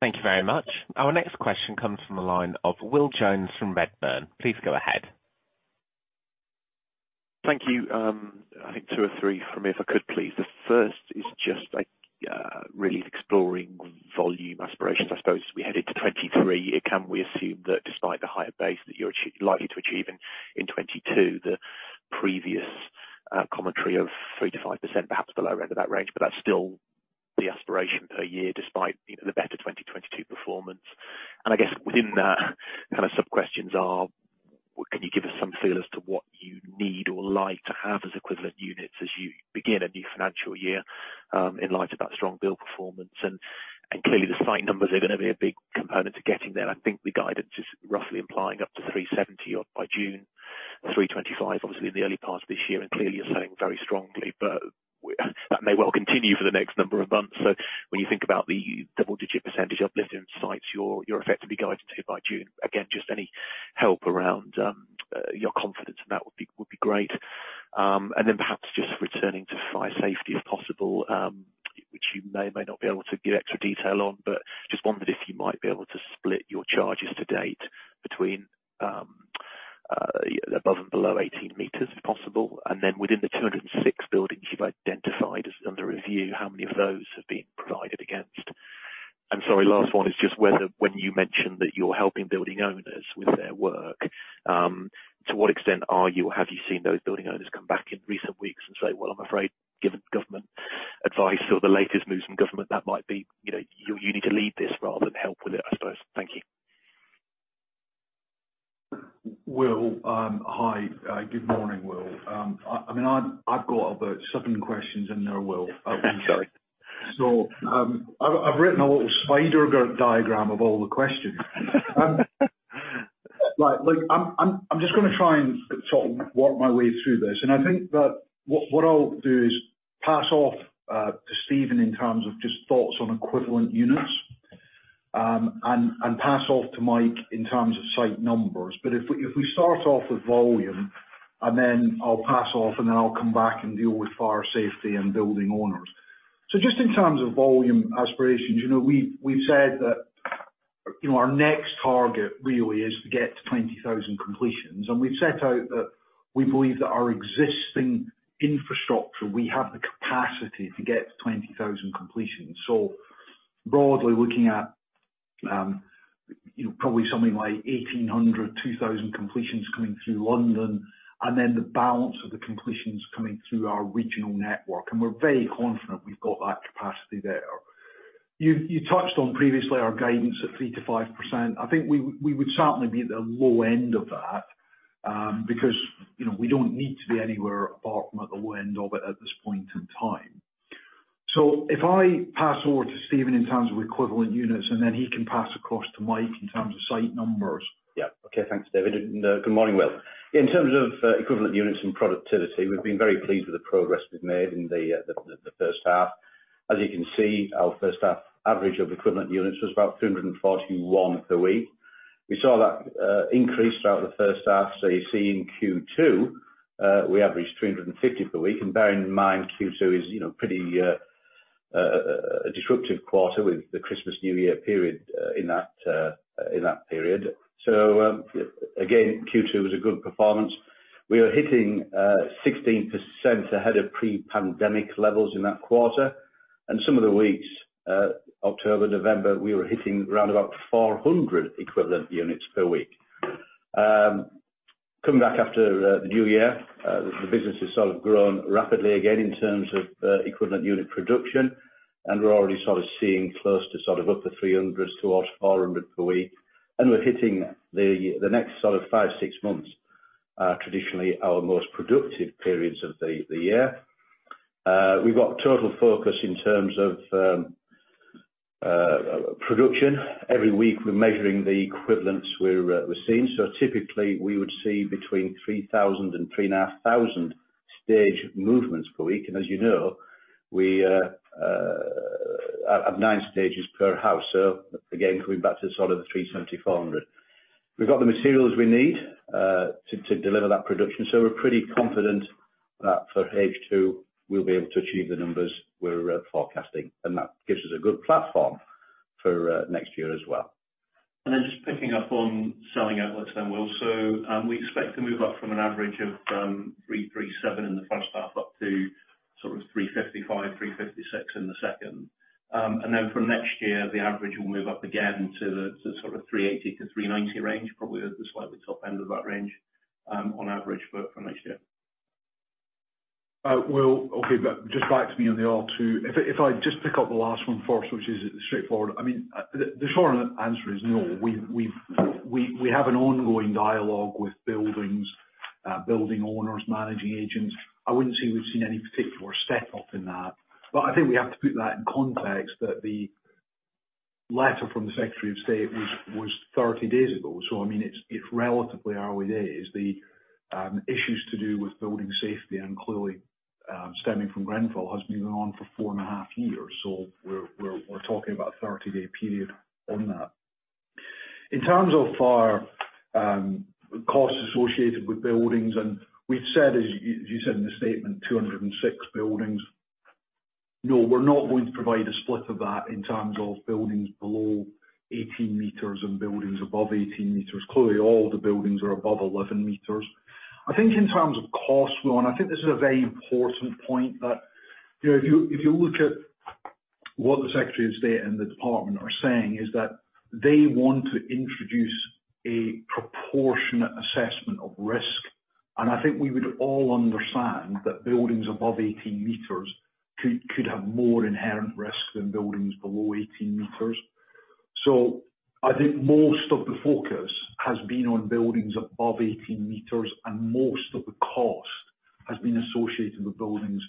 Thank you very much. Our next question comes from the line of Will Jones from Redburn. Please go ahead. Thank you. I think 2 or 3 from me if I could please. The first is just like really exploring volume aspirations, I suppose, as we head into 2023. Can we assume that despite the higher base that you're likely to achieve in 2022, the previous commentary of 3%-5%, perhaps the lower end of that range, but that's still the aspiration per year despite, you know, the better 2022 performance. I guess within that, kind of, sub-questions are, can you give us some feel as to what you need or like to have as equivalent units as you begin a new financial year, in light of that strong build performance. Clearly the site numbers are gonna be a big component to getting there. I think the guidance is roughly implying up to 370-odd by June, 325, obviously in the early part of this year. Clearly you're selling very strongly, but that may well continue for the next number of months. When you think about the double-digit percentage uplift in sites, you're effectively guiding to by June. Again, just any help around your confidence in that would be great. Perhaps just returning to fire safety if possible, which you may or may not be able to give extra detail on, but I just wondered if you might be able to split your charges to date between above and below 18 meters if possible. Within the 206 buildings you've identified as under review, how many of those have been provided against? Sorry, last one is just whether when you mentioned that you're helping building owners with their work, to what extent are you or have you seen those building owners come back in recent weeks and say, "Well, I'm afraid, given government advice or the latest moves from government, that might be, you know, you need to lead this rather than help with it," I suppose. Thank you. Will, hi. Good morning, Will. I mean, I've got about seven questions in there, Will. I'm sorry. I've written a little spider diagram of all the questions. Like, look, I'm just gonna try and sort of work my way through this. I think that what I'll do is pass off to Steven in terms of just thoughts on equivalent units, and pass off to Mike in terms of site numbers. If we start off with volume and then I'll pass off and then I'll come back and deal with fire safety and building owners. Just in terms of volume aspirations, you know, we've said that, you know, our next target really is to get to 20,000 completions. We've set out that we believe that our existing infrastructure, we have the capacity to get to 20,000 completions. Broadly looking at, you know, probably something like 1,800-2,000 completions coming through London, and then the balance of the completions coming through our regional network. We're very confident we've got that capacity there. You touched on previously our guidance at 3%-5%. I think we would certainly be at the low end of that, because, you know, we don't need to be anywhere apart from at the low end of it at this point in time. If I pass over to Steven in terms of equivalent units, and then he can pass across to Mike in terms of site numbers. Yeah. Okay. Thanks, David. Good morning, Will. In terms of equivalent units and productivity, we've been very pleased with the progress we've made in the first half. As you can see, our first half average of equivalent units was about 341 per week. We saw that increase throughout the first half. You see in Q2 we averaged 350 per week. Bearing in mind, Q2 is pretty disruptive quarter with the Christmas, New Year period in that period. Again, Q2 was a good performance. We are hitting 16% ahead of pre-pandemic levels in that quarter. Some of the weeks October, November, we were hitting around about 400 equivalent units per week. Coming back after the new year, the business has sort of grown rapidly again in terms of equivalent unit production, and we're already sort of seeing close to sort of up to 300s towards 400 per week. We're hitting the next sort of five, six months, traditionally our most productive periods of the year. We've got total focus in terms of Production. Every week we're measuring the equivalents we're seeing. Typically we would see between 3,000 and 3,500 stage movements per week. As you know, we have nine stages per house. Again, coming back to sort of the 370-400. We've got the materials we need to deliver that production. We're pretty confident that for H2 we'll be able to achieve the numbers we're forecasting. That gives us a good platform for next year as well. Just picking up on selling outlets then, Will. We expect to move up from an average of 337 in the first half up to sort of 355-356 in the second. From next year, the average will move up again to sort of 380-390 range, probably at the slightly top end of that range, on average for next year. Will, okay, just back to me on the R2. If I just pick up the last one first, which is straightforward. I mean, the short answer is no. We have an ongoing dialogue with building owners, managing agents. I wouldn't say we've seen any particular step up in that. I think we have to put that in context that the letter from the Secretary of State was 30 days ago, so I mean, it's relatively early days. The issues to do with building safety, and clearly stemming from Grenfell, has been going on for 4.5 years. We're talking about a 30-day period on that. In terms of our costs associated with buildings, and we've said, as you said in the statement, 206 buildings. No, we're not going to provide a split of that in terms of buildings below 18 meters and buildings above 18 meters. Clearly, all the buildings are above 11 meters. I think in terms of costs, though, and I think this is a very important point that, you know, if you look at what the Secretary of State and the department are saying is that they want to introduce a proportionate assessment of risk. I think we would all understand that buildings above 18 meters could have more inherent risk than buildings below 18 meters. I think most of the focus has been on buildings above 18 meters and most of the cost has been associated with buildings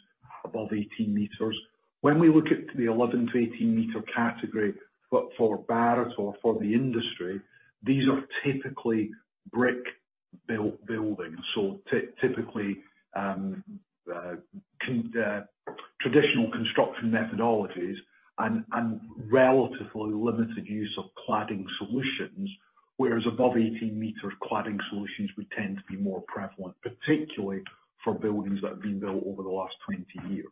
above 18 meters. When we look at the 11- 18 meter category, for Barratt or for the industry, these are typically brick-built buildings. Typically, traditional construction methodologies and relatively limited use of cladding solutions, whereas above 18 meters, cladding solutions would tend to be more prevalent, particularly for buildings that have been built over the last 20 years.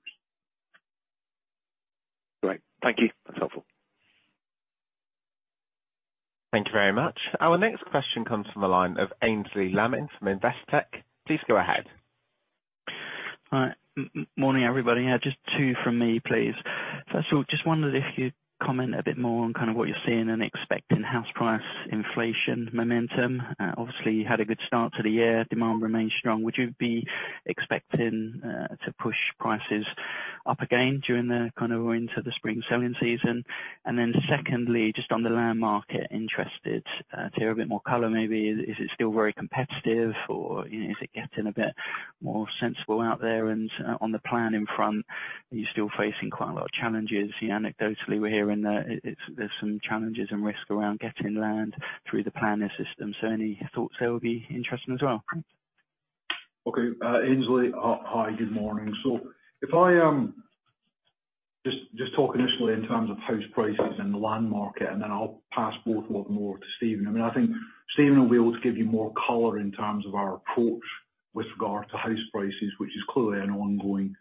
Great. Thank you. That's helpful. Thank you very much. Our next question comes from the line of Aynsley Lammin from Investec. Please go ahead. All right. Morning, everybody. Yeah, just two from me, please. First of all, just wondered if you'd comment a bit more on kind of what you're seeing and expecting house price inflation momentum. Obviously, you had a good start to the year. Demand remains strong. Would you be expecting to push prices up again during the kind of into the spring selling season? Then secondly, just on the land market, I'm interested to hear a bit more color maybe. Is it still very competitive or, you know, is it getting a bit more sensible out there? On the planning front, are you still facing quite a lot of challenges? You know, anecdotally, we're hearing that there's some challenges and risk around getting land through the planning system. So any thoughts there would be interesting as well. Okay. Aynsley, hi, good morning. If I just talk initially in terms of house prices and the land market, and then I'll pass both of them over to Steven. I mean, I think Steven will be able to give you more color in terms of our approach with regard to house prices, which is clearly an ongoing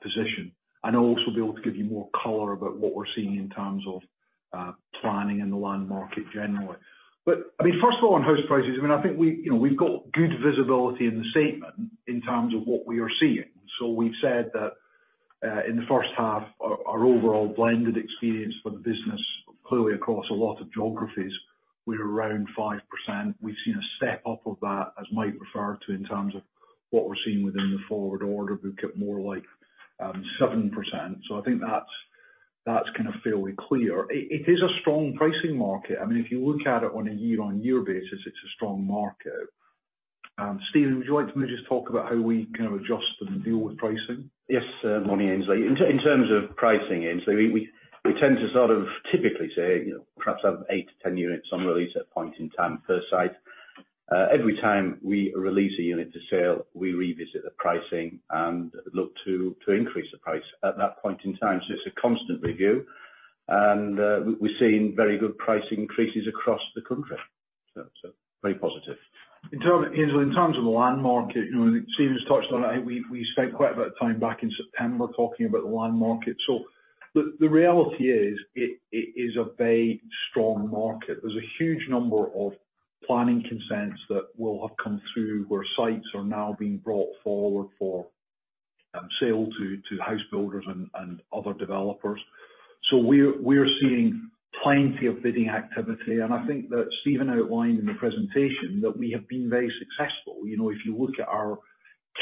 position, and also be able to give you more color about what we're seeing in terms of planning in the land market generally. I mean, first of all, on house prices, I mean, I think we, you know, we've got good visibility in the statement in terms of what we are seeing. We've said that in the first half, our overall blended experience for the business, clearly across a lot of geographies, we're around 5%. We've seen a step up of that, as Mike referred to, in terms of what we're seeing within the forward order book at more like 7%. I think that's kind of fairly clear. It is a strong pricing market. I mean, if you look at it on a year-on-year basis, it's a strong market. Steven, would you like to maybe just talk about how we kind of adjust and deal with pricing? Yes, morning, Aynsley. In terms of pricing, Aynsley, we tend to sort of typically say, you know, perhaps have 8-10 units on release at a point in time per site. Every time we release a unit for sale, we revisit the pricing and look to increase the price at that point in time. It's a constant review and we're seeing very good price increases across the country. Very positive. Aynsley, in terms of the land market, you know, and Stephen's touched on it. We spent quite a bit of time back in September talking about the land market. The reality is it is a very strong market. There's a huge number of planning consents that will have come through, where sites are now being brought forward for sale to house builders and other developers. We're seeing plenty of bidding activity. I think that Steven outlined in the presentation that we have been very successful. You know, if you look at our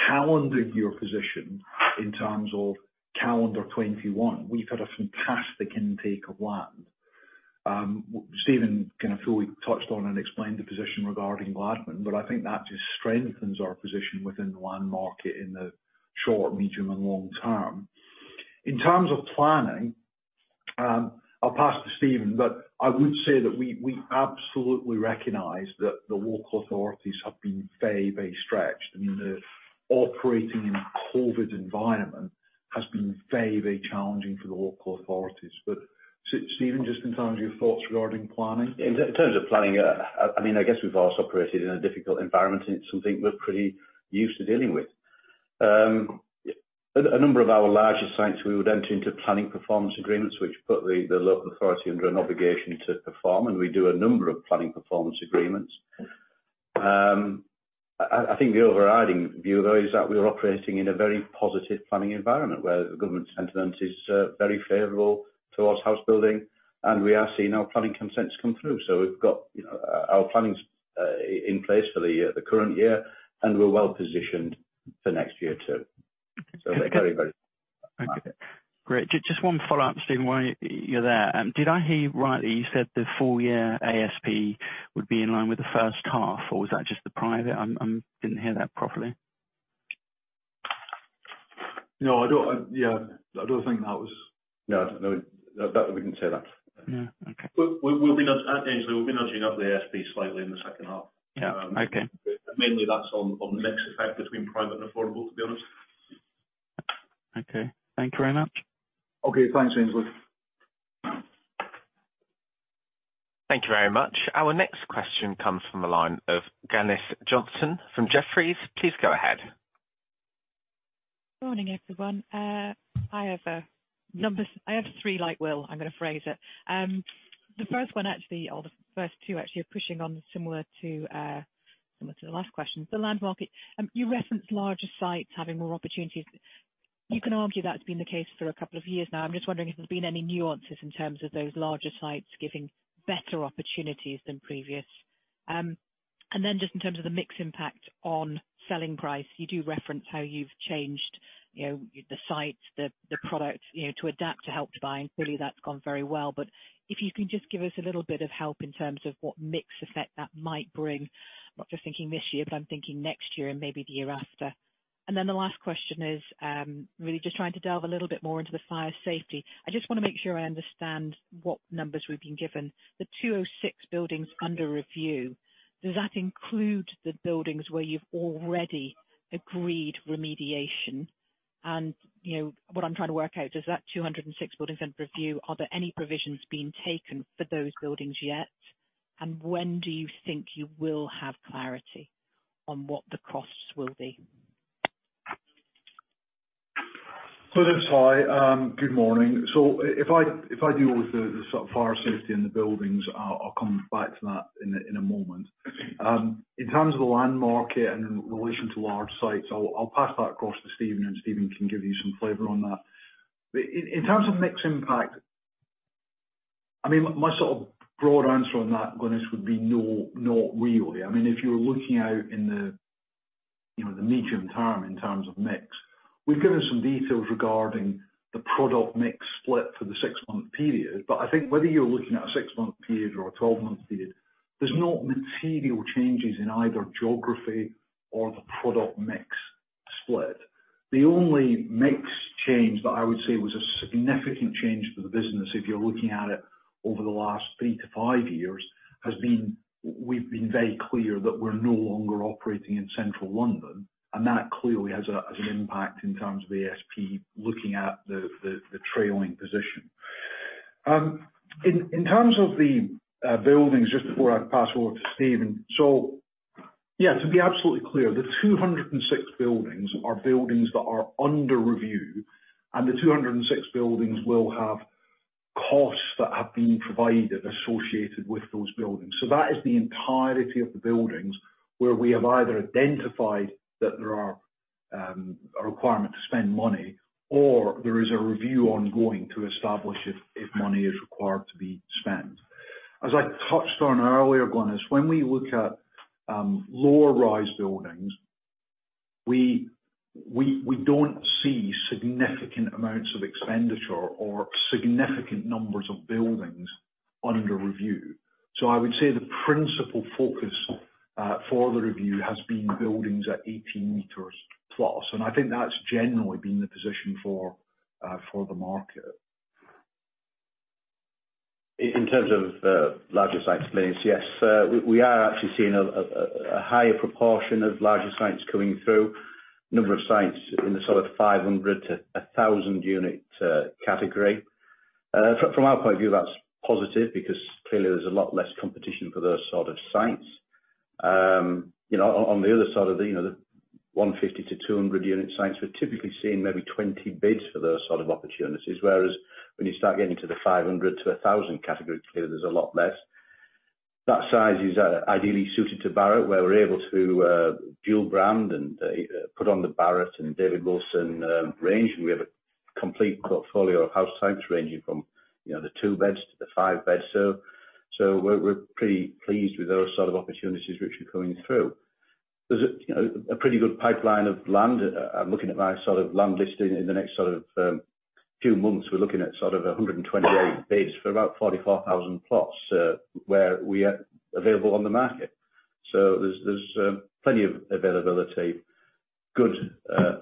calendar year position in terms of calendar 2021, we've had a fantastic intake of land. Steven kind of thoroughly touched on and explained the position regarding Gladman, but I think that just strengthens our position within the land market in the short, medium, and long term. In terms of planning, I'll pass to Steven, but I would say that we absolutely recognize that the local authorities have been very, very stretched. I mean, the operation in a COVID environment has been very, very challenging for the local authorities. Steven, just in terms of your thoughts regarding planning. In terms of planning, I mean, I guess we've also operated in a difficult environment, and it's something we're pretty used to dealing with. A number of our larger sites, we would enter into planning performance agreements, which put the local authority under an obligation to perform, and we do a number of planning performance agreements. I think the overriding view though, is that we're operating in a very positive planning environment where the government sentiment is very favorable towards house building, and we are seeing our planning consents come through. We've got, you know, our plannings in place for the current year, and we're well positioned for next year too. They're very, very. Okay. Great. Just one follow-up, Steven, while you're there. Did I hear rightly, you said the full year ASP would be in line with the first half, or was that just the private? Didn't hear that properly. No, yeah, I don't think that was. No, no. That, we didn't say that. Yeah. Okay. Angela, we'll be nudging up the ASP slightly in the second half. Yeah. Okay. Mainly that's on mix effect between private and affordable, to be honest. Okay. Thank you very much. Okay. Thanks, Aynsley. Thank you very much. Our next question comes from the line of Glynis Johnson from Jefferies. Please go ahead. Morning, everyone. I have numbers. I have three, like Will, I'm gonna phrase it. The first one actually, or the first two actually, are pushing on similar to, similar to the last question. The land market. You referenced larger sites having more opportunities. You can argue that's been the case for a couple of years now. I'm just wondering if there's been any nuances in terms of those larger sites giving better opportunities than previous. Just in terms of the mix impact on selling price, you do reference how you've changed, you know, the sites, the product, you know, to adapt, to Help to Buy, and clearly that's gone very well. If you can just give us a little bit of help in terms of what mix effect that might bring. I'm not just thinking this year, but I'm thinking next year and maybe the year after. Then the last question is really just trying to delve a little bit more into the fire safety. I just wanna make sure I understand what numbers we've been given. The 206 buildings under review, does that include the buildings where you've already agreed remediation? You know, what I'm trying to work out, does that 206 buildings under review, are there any provisions being taken for those buildings yet? When do you think you will have clarity on what the costs will be? Glynis, hi. Good morning. If I deal with the sort of fire safety in the buildings, I'll come back to that in a moment. In terms of the land market in relation to large sites, I'll pass that across to Steven, and Steven can give you some flavor on that. In terms of mix impact, I mean, my sort of broad answer on that, Glynis, would be no, not really. I mean, if you're looking out in the, you know, the medium term in terms of mix, we've given some details regarding the product mix split for the six-month period. I think whether you're looking at a 6-month period or a 12-month period, there's no material changes in either geography or the product mix split. The only mix change that I would say was a significant change for the business if you're looking at it over the last 3-5 years has been. We've been very clear that we're no longer operating in Central London, and that clearly has an impact in terms of ASP, looking at the trailing position. In terms of the buildings, just before I pass over to Steven. Yeah, to be absolutely clear, the 206 buildings are buildings that are under review, and the 206 buildings will have costs that have been provided associated with those buildings. That is the entirety of the buildings where we have either identified that there are a requirement to spend money or there is a review ongoing to establish if money is required to be spent. As I touched on earlier, Glynis, when we look at low-rise buildings, we don't see significant amounts of expenditure or significant numbers of buildings under review. I would say the principal focus for the review has been buildings at 18 meters plus. I think that's generally been the position for the market. In terms of larger sites, Glynis, yes, we are actually seeing a higher proportion of larger sites coming through. Number of sites in the sort of 500-1,000 unit category. From our point of view, that's positive because clearly there's a lot less competition for those sort of sites. You know, on the other side of the, you know, the 150-200 unit sites, we're typically seeing maybe 20 bids for those sort of opportunities. Whereas when you start getting to the 500-1,000 category, clearly there's a lot less. That size is ideally suited to Barratt, where we're able to dual brand and put on the Barratt and David Wilson range. We have a complete portfolio of house types ranging from, you know, the 2 beds to the 5 beds. We're pretty pleased with those sort of opportunities, which are coming through. There's, you know, a pretty good pipeline of land. I'm looking at my sort of land listing in the next sort of few months. We're looking at sort of 128 base for about 44,000 plots, where we are available on the market. There's plenty of availability, good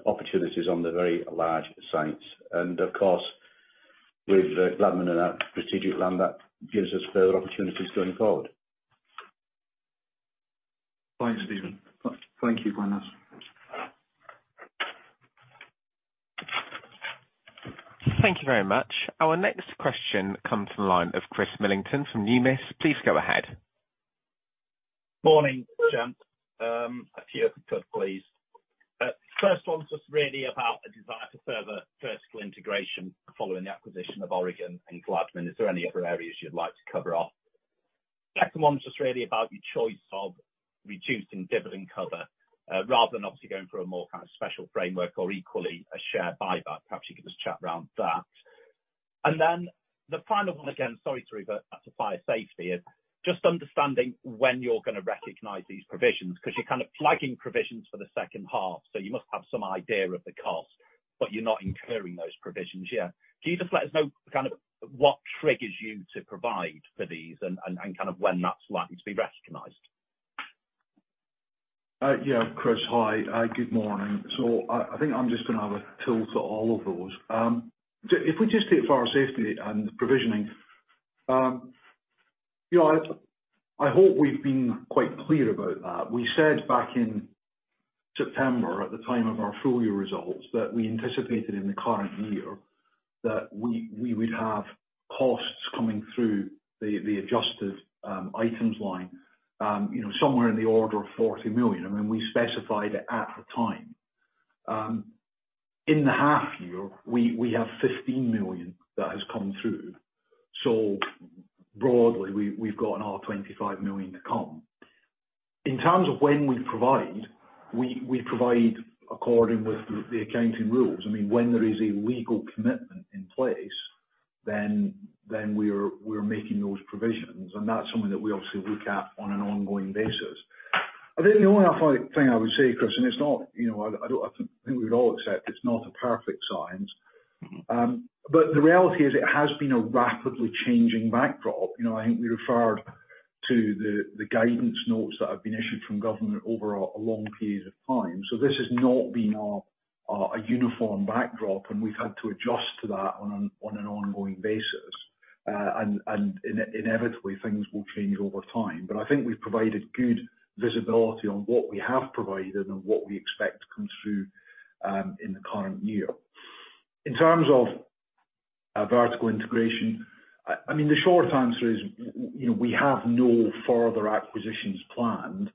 opportunities on the very large sites. Of course, with Gladman and that strategic land, that gives us further opportunities going forward. Thanks, Steven. Thank you for joining us. Thank you very much. Our next question comes from the line of Chris Millington from Numis. Please go ahead. Morning, gents. A few of them, please. First one's just really about a desire to further vertical integration following the acquisition of Oregon and Gladman. Is there any other areas you'd like to cover off? Second one's just really about your choice of reducing dividend cover, rather than obviously going for a more kind of special framework or equally a share buyback. Perhaps you could just chat around that. The final one, again, but that's a fire safety. Just understanding when you're gonna recognize these provisions, 'cause you're kind of flagging provisions for the second half, so you must have some idea of the cost, but you're not incurring those provisions yet. Can you just let us know kind of what triggers you to provide for these and kind of when that's likely to be recognized? Yeah, Chris. Hi. Good morning. I think I'm just gonna have a tilt to all of those. If we just take fire safety and the provisioning, you know, I hope we've been quite clear about that. We said back in September at the time of our full year results that we anticipated in the current year that we would have costs coming through the adjusted items line, you know, somewhere in the order of 40 million, and then we specified it at the time. In the half year, we have 15 million that has come through. Broadly, we've gotten our 25 million to come. In terms of when we provide, we provide in accordance with the accounting rules. I mean, when there is a legal commitment in place, then we are making those provisions. That's something that we obviously look at on an ongoing basis. I think the only other thing I would say, Chris, and it's not, you know, I think we'd all accept it's not a perfect science. Mm-hmm. The reality is it has been a rapidly changing backdrop. You know, I think we referred to the guidance notes that have been issued from government over a long period of time. This has not been a uniform backdrop, and we've had to adjust to that on an ongoing basis. Inevitably, things will change over time. I think we've provided good visibility on what we have provided and what we expect to come through in the current year. In terms of vertical integration, I mean, the short answer is, you know, we have no further acquisitions planned.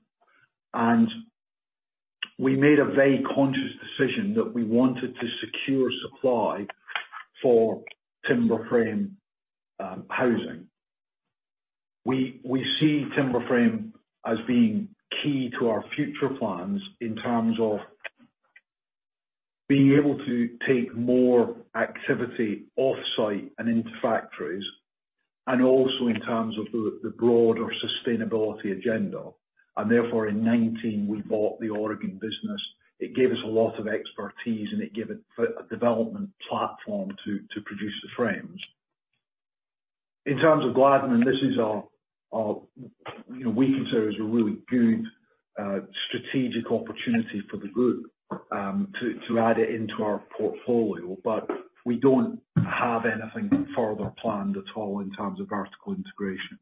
We made a very conscious decision that we wanted to secure supply for timber frame housing. We see timber frame as being key to our future plans in terms of being able to take more activity off-site and into factories, and also in terms of the broader sustainability agenda. Therefore, in 2019, we bought the Oregon business. It gave us a lot of expertise, and it gave a development platform to produce the frames. In terms of Gladman, this is our, you know, we consider it as a really good strategic opportunity for the group, to add it into our portfolio, but we don't have anything further planned at all in terms of vertical integration.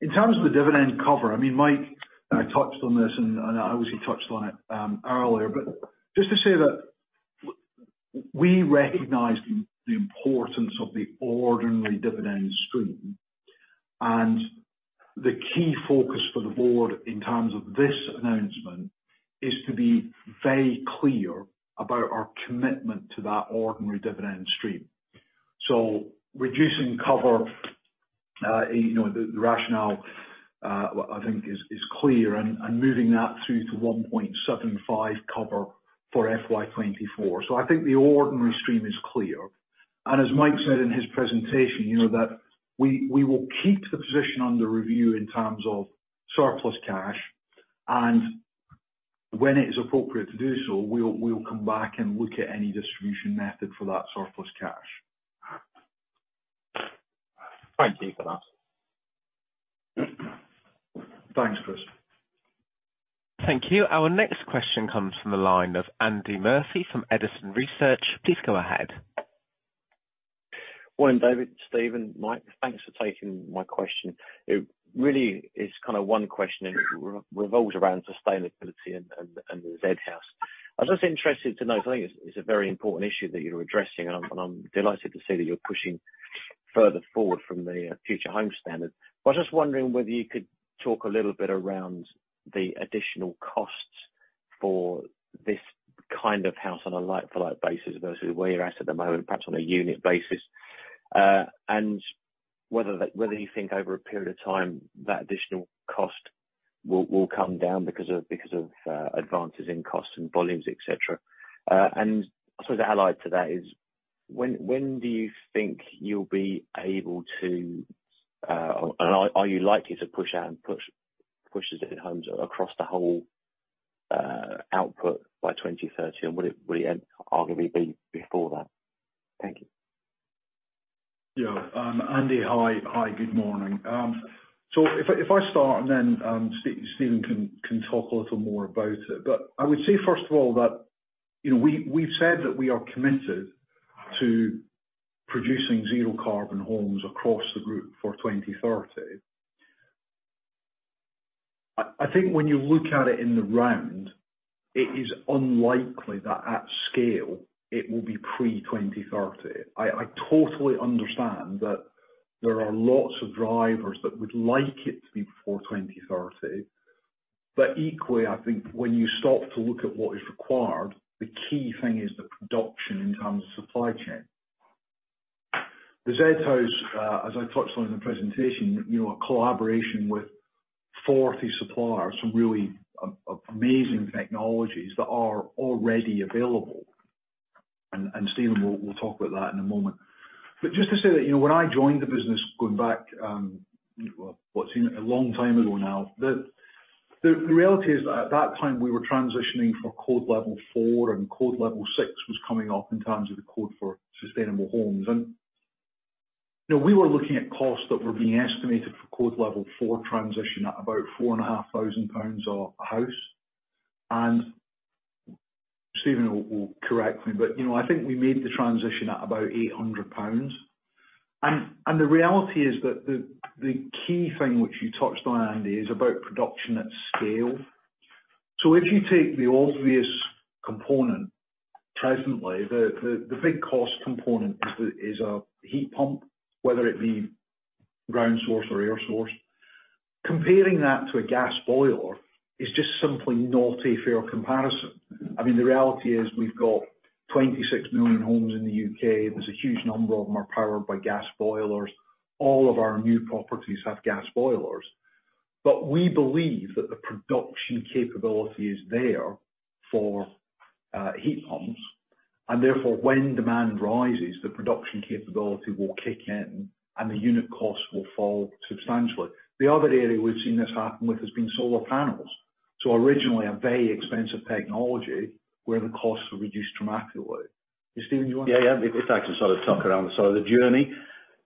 In terms of the dividend cover, I mean, Mike touched on this and obviously touched on it earlier. Just to say that we recognize the importance of the ordinary dividend stream. The key focus for the board in terms of this announcement is to be very clear about our commitment to that ordinary dividend stream. Reducing cover, you know, the rationale, I think is clear and moving that through to 1.75 cover for FY 2024. I think the ordinary stream is clear. As Mike said in his presentation, you know, that we will keep the position under review in terms of surplus cash. When it is appropriate to do so, we'll come back and look at any distribution method for that surplus cash. Thank you for that. Thanks, Chris. Thank you. Our next question comes from the line of Andy Murphy from Edison Research. Please go ahead. Morning, David, Steven, Mike. Thanks for taking my question. It really is kinda one question and revolves around sustainability and the Zed House. I'm just interested to know, because I think it's a very important issue that you're addressing, and I'm delighted to see that you're pushing further forward from the Future Homes Standard. I'm just wondering whether you could talk a little bit around the additional costs for this kind of house on a like-for-like basis versus where you're at at the moment, perhaps on a unit basis, and whether that whether you think over a period of time that additional cost will come down because of advances in costs and volumes, et cetera. And sort of allied to that is When do you think you'll be able to, and are you likely to push out and push the zero homes across the whole output by 2030? Would it arguably be before that? Thank you. Yeah. Andy, hi. Hi, good morning. So if I start and then Steven can talk a little more about it. I would say first of all that, you know, we've said that we are committed to producing zero-carbon homes across the group for 2030. I think when you look at it in the round, it is unlikely that at scale it will be pre-2030. I totally understand that there are lots of drivers that would like it to be before 2030. Equally, I think when you stop to look at what is required, the key thing is the production in terms of supply chain. The Zed House, as I touched on in the presentation, you know, a collaboration with 40 suppliers, some really amazing technologies that are already available. Steven will talk about that in a moment. Just to say that, you know, when I joined the business going back, well, what seems a long time ago now, the reality is at that time we were transitioning from Code Level four, and Code Level six was coming up in terms of the Code for Sustainable Homes. You know, we were looking at costs that were being estimated for Code Level four transition at about 4,500 pounds a house. Steven will correct me, but, you know, I think we made the transition at about 800 pounds. The reality is that the key thing which you touched on, Andy, is about production at scale. If you take the obvious component presently, the big cost component is a heat pump, whether it be ground source or air source. Comparing that to a gas boiler is just simply not a fair comparison. I mean, the reality is we've got 26 million homes in the U.K. There's a huge number of them are powered by gas boilers. All of our new properties have gas boilers. But we believe that the production capability is there for heat pumps, and therefore, when demand rises, the production capability will kick in, and the unit cost will fall substantially. The other area we've seen this happen with has been solar panels. Originally a very expensive technology where the costs were reduced dramatically. Stephen, do you want to- Yeah, yeah. If I can sort of talk around the sort of journey.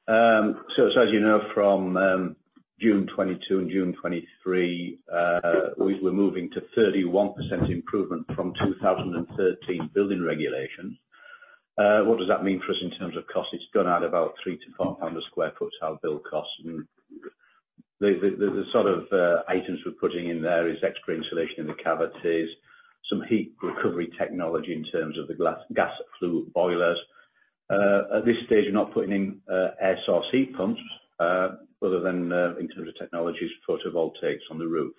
So as you know, from June 2022 and June 2023, we're moving to 31% improvement from 2013 building regulations. What does that mean for us in terms of costs? It's gone out about £3-£4 sq ft, our build cost. The sort of items we're putting in there is extra insulation in the cavities, some heat recovery technology in terms of the gas flue boilers. At this stage, we're not putting in air source heat pumps, other than in terms of technologies, photovoltaics on the roof.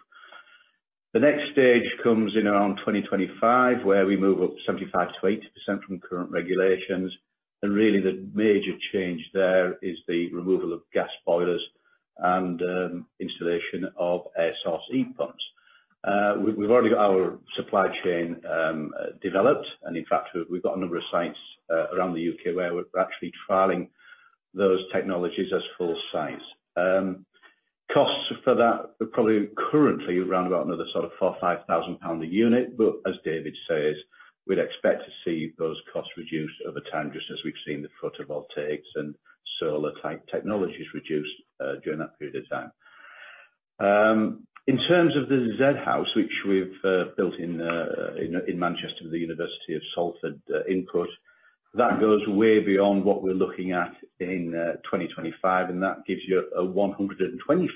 The next stage comes in around 2025, where we move up 75%-80% from current regulations. Really the major change there is the removal of gas boilers and installation of air source heat pumps. We've already got our supply chain developed, and in fact, we've got a number of sites around the U.K. where we're actually trialing those technologies as full sites. Costs for that are probably currently around about another sort of 4,000-5,000 pound a unit. As David says, we'd expect to see those costs reduce over time, just as we've seen the photovoltaics and solar type technologies reduce during that period of time. In terms of the Zed House, which we've built in Manchester with the University of Salford input, that goes way beyond what we're looking at in 2025, and that gives you a 125%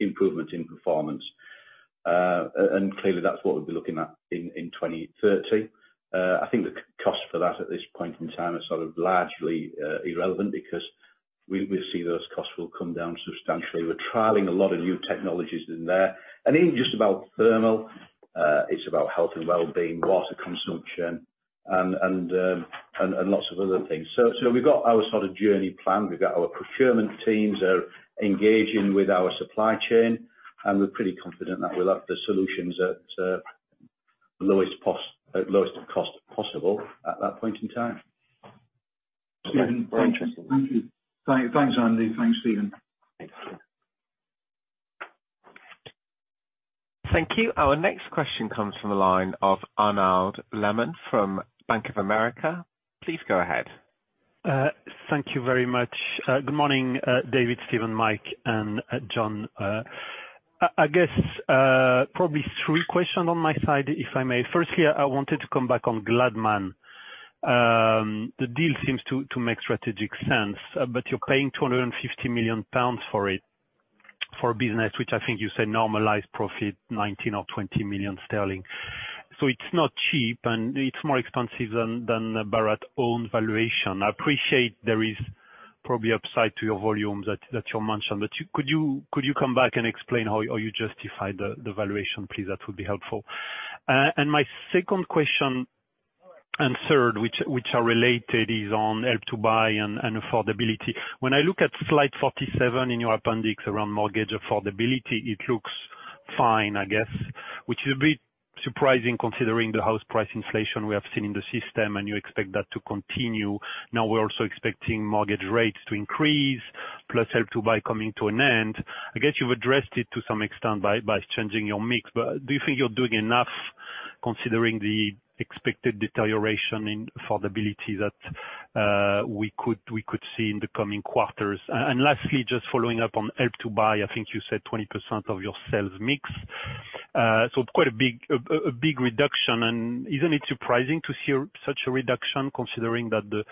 improvement in performance. Clearly that's what we'll be looking at in 2030. I think the cost for that at this point in time is largely irrelevant because we see those costs will come down substantially. We're trialing a lot of new technologies in there. It ain't just about thermal, it's about health and wellbeing, water consumption and lots of other things. We've got our sort of journey planned. We've got our procurement teams are engaging with our supply chain, and we're pretty confident that we'll have the solutions at lowest cost possible at that point in time. Steven, thank you. Very interesting. Thank you. Thanks, Andy. Thanks, Steven. Thank you. Thank you. Our next question comes from a line of Arnaud Lehmann from Bank of America. Please go ahead. Thank you very much. Good morning, David, Steven, Mike, and John. I guess probably three questions on my side, if I may. Firstly, I wanted to come back on Gladman. The deal seems to make strategic sense, but you're paying 250 million pounds for it, for a business which I think you said normalized profit 19 or 20 million sterling. So it's not cheap, and it's more expensive than Barratt's own valuation. I appreciate there is probably upside to your volumes that you mentioned, but could you come back and explain how you justify the valuation, please? That would be helpful. My second question and third, which are related, is on Help to Buy and affordability. When I look at slide 47 in your appendix around mortgage affordability, it looks fine, I guess, which is a bit surprising considering the house price inflation we have seen in the system, and you expect that to continue. Now, we're also expecting mortgage rates to increase, plus Help to Buy coming to an end. I guess you've addressed it to some extent by changing your mix. Do you think you're doing enough considering the expected deterioration in affordability that we could see in the coming quarters? Lastly, just following up on Help to Buy, I think you said 20% of your sales mix. Quite a big reduction. Isn't it surprising to see such a reduction considering that the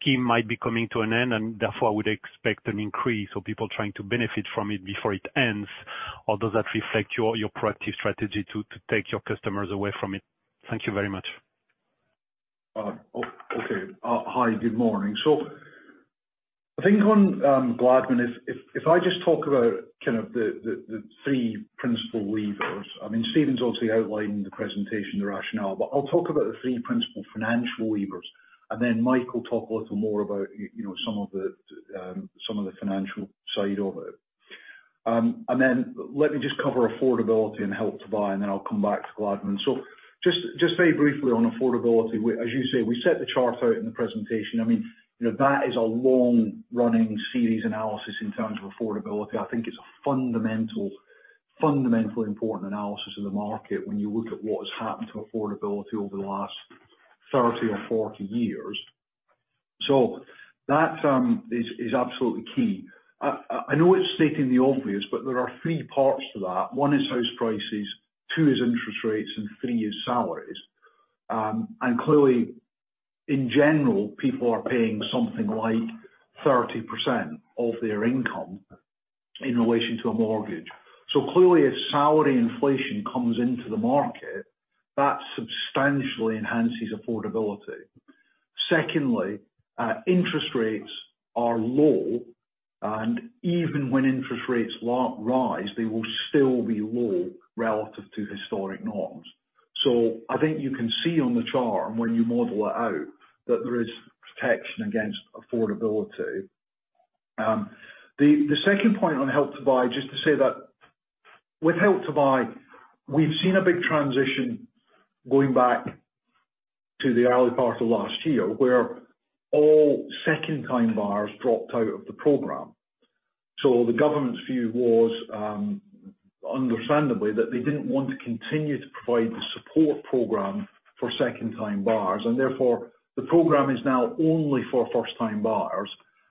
scheme might be coming to an end, and therefore would expect an increase of people trying to benefit from it before it ends? Or does that reflect your proactive strategy to take your customers away from it? Thank you very much. Hi, good morning. I think on Gladman, if I just talk about kind of the three principal levers. I mean, Steven's obviously outlined the presentation, the rationale. I'll talk about the three principal levers, and then Mike will talk a little more about you know, some of the financial side of it. Let me just cover affordability and Help to Buy, and then I'll come back to Gladman. Just very briefly on affordability, we as you say, we set the chart out in the presentation. I mean, you know, that is a long-running series analysis in terms of affordability. I think it's a fundamentally important analysis of the market when you look at what has happened to affordability over the last 30 or 40 years. That is absolutely key. I know it's stating the obvious, but there are three parts to that. One is house prices, two is interest rates, and three is salaries. Clearly, in general, people are paying something like 30% of their income in relation to a mortgage. Clearly, if salary inflation comes into the market, that substantially enhances affordability. Secondly, interest rates are low, and even when interest rates rise, they will still be low relative to historic norms. I think you can see on the chart when you model it out that there is protection against affordability. The second point on Help to Buy, just to say that with Help to Buy, we've seen a big transition going back to the early part of last year, where all second-time buyers dropped out of the program. The government's view was, understandably, that they didn't want to continue to provide the support program for second-time buyers, and therefore the program is now only for first-time buyers.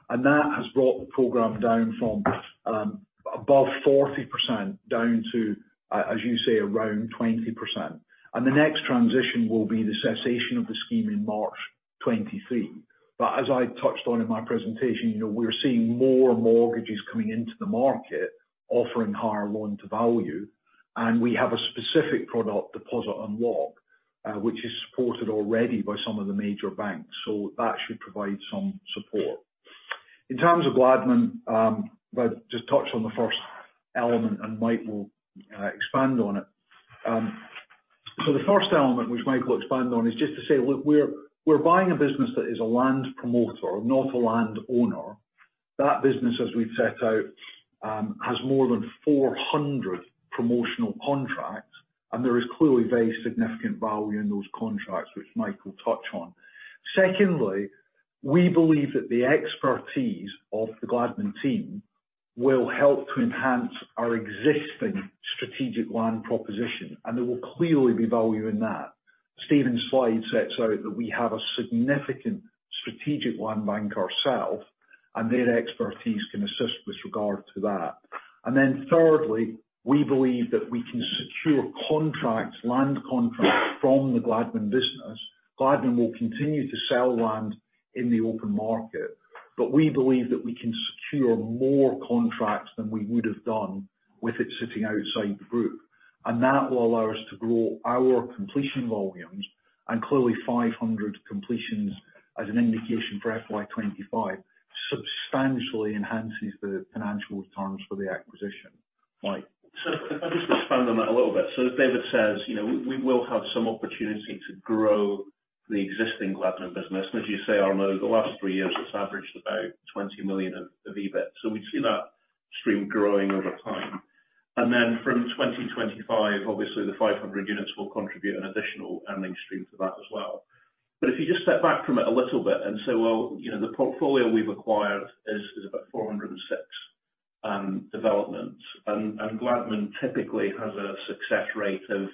That has brought the program down from above 40% down to, as you say, around 20%. The next transition will be the cessation of the scheme in March 2023. As I touched on in my presentation, you know, we're seeing more mortgages coming into the market offering higher loan-to-value. We have a specific product, Deposit Unlock, which is supported already by some of the major banks. That should provide some support. In terms of Gladman, I'll just touch on the first element and Mike will expand on it. So the first element which Mike will expand on is just to say, look, we're buying a business that is a land promoter, not a land owner. That business, as we've set out, has more than 400 promotional contracts, and there is clearly very significant value in those contracts, which Mike will touch on. Secondly, we believe that the expertise of the Gladman team will help to enhance our existing strategic land proposition, and there will clearly be value in that. Steven's slide sets out that we have a significant strategic land bank ourselves, and their expertise can assist with regard to that. Then thirdly, we believe that we can secure contracts, land contracts from the Gladman business. Gladman will continue to sell land in the open market. We believe that we can secure more contracts than we would have done with it sitting outside the group. That will allow us to grow our completion volumes. Clearly, 500 completions as an indication for FY 2025 substantially enhances the financial terms for the acquisition. Mike. If I just expand on that a little bit. As David says, you know, we will have some opportunity to grow the existing Gladman business. As you say, Arnaud, the last three years it's averaged about 20 million of EBIT. We see that stream growing over time. Then from 2025, obviously the 500 units will contribute an additional earning stream to that as well. If you just step back from it a little bit and say, well, you know, the portfolio we've acquired is about 406 developments. Gladman typically has a success rate of,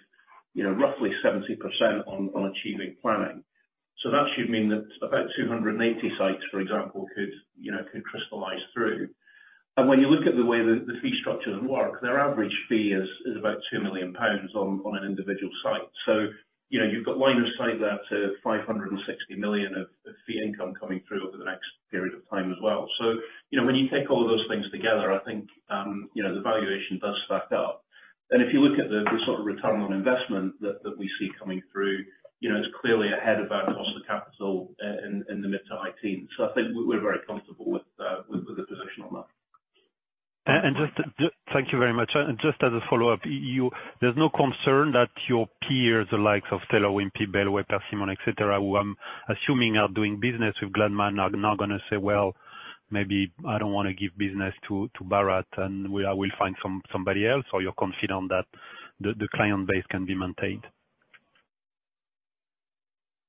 you know, roughly 70% on achieving planning. That should mean that about 280 sites, for example, could crystallize through. When you look at the way that the fee structures work, their average fee is about 2 million pounds on an individual site. You know, you've got line of sight there to 560 million of fee income coming through over the next period of time as well. You know, when you take all of those things together, I think, you know, the valuation does stack up. If you look at the sort of return on investment that we see coming through, you know, it's clearly ahead of our cost of capital in the mid- to high teens. I think we're very comfortable with the position on that. Thank you very much. Just as a follow-up, you, there's no concern that your peers, the likes of Taylor Wimpey, Bellway, Persimmon, et cetera, who I'm assuming are doing business with Gladman, are now gonna say, "Well, maybe I don't wanna give business to Barratt, and I will find somebody else," or you're confident that the client base can be maintained?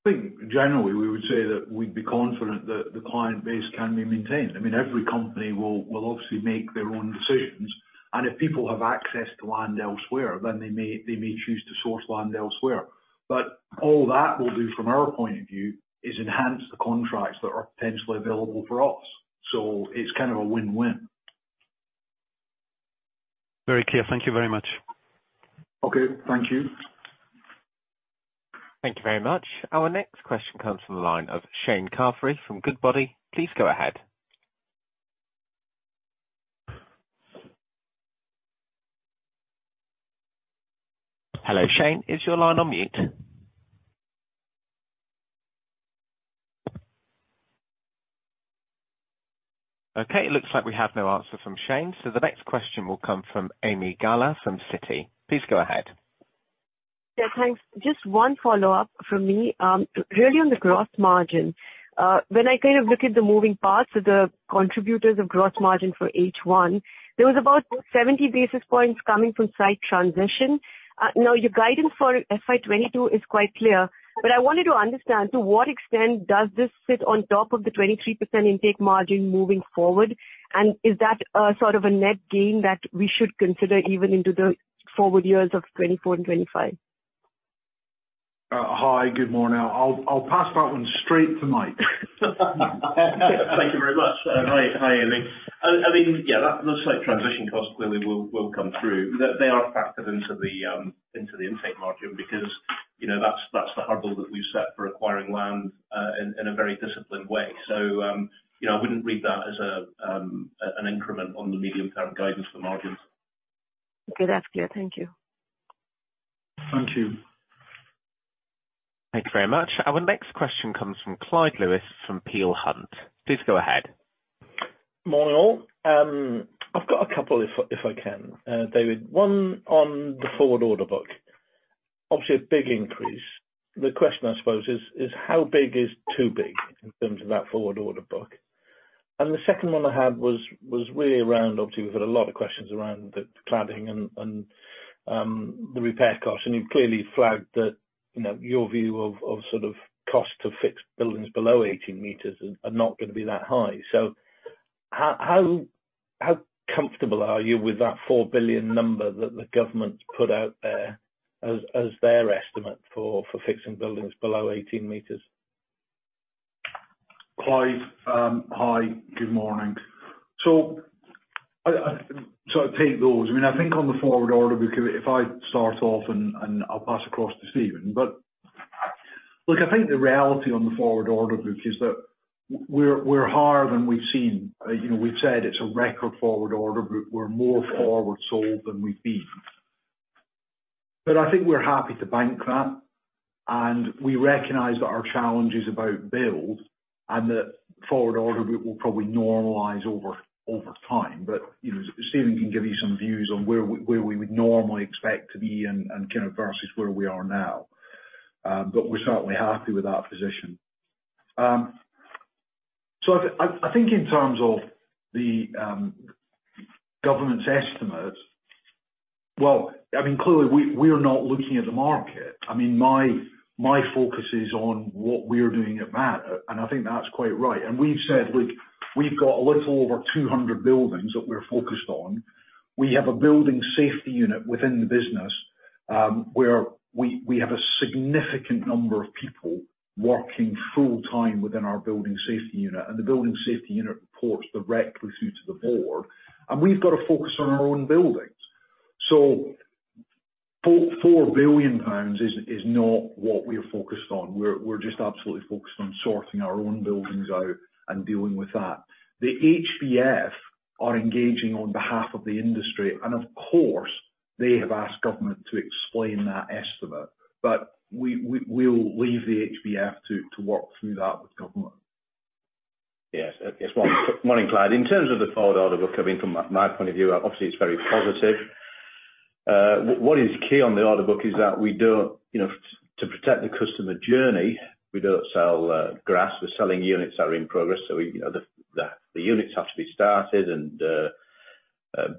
I think, generally, we would say that we'd be confident that the client base can be maintained. I mean, every company will obviously make their own decisions, and if people have access to land elsewhere, then they may choose to source land elsewhere. But all that will do, from our point of view, is enhance the contracts that are potentially available for us. It's kind of a win-win. Very clear. Thank you very much. Okay, thank you. Thank you very much. Our next question comes from the line of Shane Carberry from Goodbody. Please go ahead. Hello, Shane. Is your line on mute? Okay. It looks like we have no answer from Shane, so the next question will come from Ami Galla from Citi. Please go ahead. Yeah, thanks. Just one follow-up from me. Really on the gross margin, when I kind of look at the moving parts of the contributors of gross margin for H1, there was about 70 basis points coming from site transition. Now, your guidance for FY 2022 is quite clear, but I wanted to understand to what extent does this sit on top of the 23% intake margin moving forward, and is that a sort of a net gain that we should consider even into the forward years of 2024 and 2025? Hi. Good morning. I'll pass that one straight to Mike. Thank you very much. Hi, Ami. I mean, yeah, those site transition costs clearly will come through. They are factored into the intake margin because, you know, that's the hurdle that we've set for acquiring land in a very disciplined way. You know, I wouldn't read that as an increment on the medium-term guidance for margins. Okay, that's clear. Thank you. Thank you. Thank you very much. Our next question comes from Clyde Lewis from Peel Hunt. Please go ahead. Morning, all. I've got a couple if I can, David. One on the forward order book. Obviously a big increase. The question, I suppose is how big is too big in terms of that forward order book? The second one I had was really around, obviously we've had a lot of questions around the cladding and the repair costs. You've clearly flagged that, you know, your view of sort of cost to fix buildings below 18 meters are not gonna be that high. How comfortable are you with that 4 billion number that the government's put out there as their estimate for fixing buildings below 18 meters? Clyde, hi, good morning. I take those. I mean, I think on the forward order book, if I start off and I'll pass across to Steven. Look, I think the reality on the forward order book is that we're higher than we've seen. You know, we've said it's a record forward order book. We're more forward sold than we've been. I think we're happy to bank that, and we recognize that our challenge is about build and that forward order book will probably normalize over time. You know, Steven can give you some views on where we would normally expect to be and kind of versus where we are now. We're certainly happy with that position. I think in terms of the government's estimate, well, I mean, clearly we're not looking at the market. I mean, my focus is on what we're doing at that, and I think that's quite right. We've said, look, we've got a little over 200 buildings that we're focused on. We have a building safety unit within the business, where we have a significant number of people working full-time within our building safety unit, and the building safety unit reports directly through to the board, and we've got to focus on our own buildings. 4 billion pounds is not what we're focused on. We're just absolutely focused on sorting our own buildings out and dealing with that. The HBF are engaging on behalf of the industry, and of course, they have asked government to explain that estimate. We'll leave the HBF to work through that with government. Yes. Yes. Morning, Clyde. In terms of the forward order book, I mean, from my point of view, obviously it's very positive. What is key on the order book is that we don't, you know, to protect the customer journey, we don't sell grass, we're selling units that are in progress. You know, the units have to be started and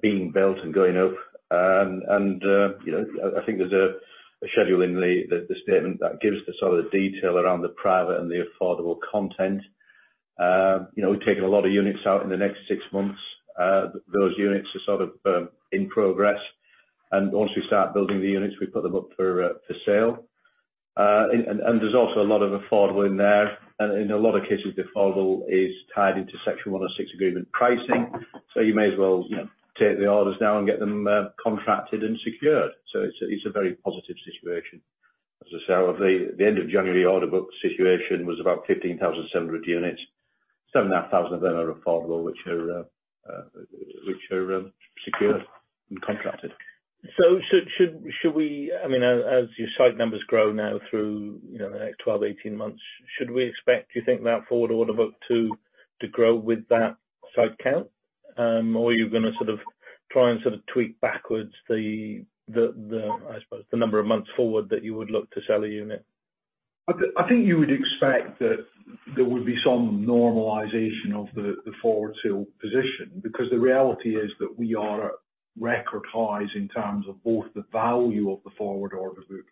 being built and going up. You know, I think there's a schedule in the statement that gives the sort of detail around the private and the affordable content. You know, we've taken a lot of units out in the next six months. Those units are sort of in progress, and once we start building the units, we put them up for sale. There's also a lot of affordable in there. In a lot of cases, the affordable is tied into Section 106 agreement pricing. You may as well, you know, take the orders now and get them contracted and secured. It's a very positive situation. As I say, the end of January order book situation was about 15,700 units. 7,500 of them are affordable, which are secured and contracted. Should we? Yeah, I mean, as your site numbers grow now through, you know, the next 12, 18 months, should we expect, do you think, that forward order book to grow with that site count? Or are you gonna sort of try and sort of tweak backwards the, I suppose, the number of months forward that you would look to sell a unit? I think you would expect that there would be some normalization of the forward sale position, because the reality is that we are at record highs in terms of both the value of the forward order book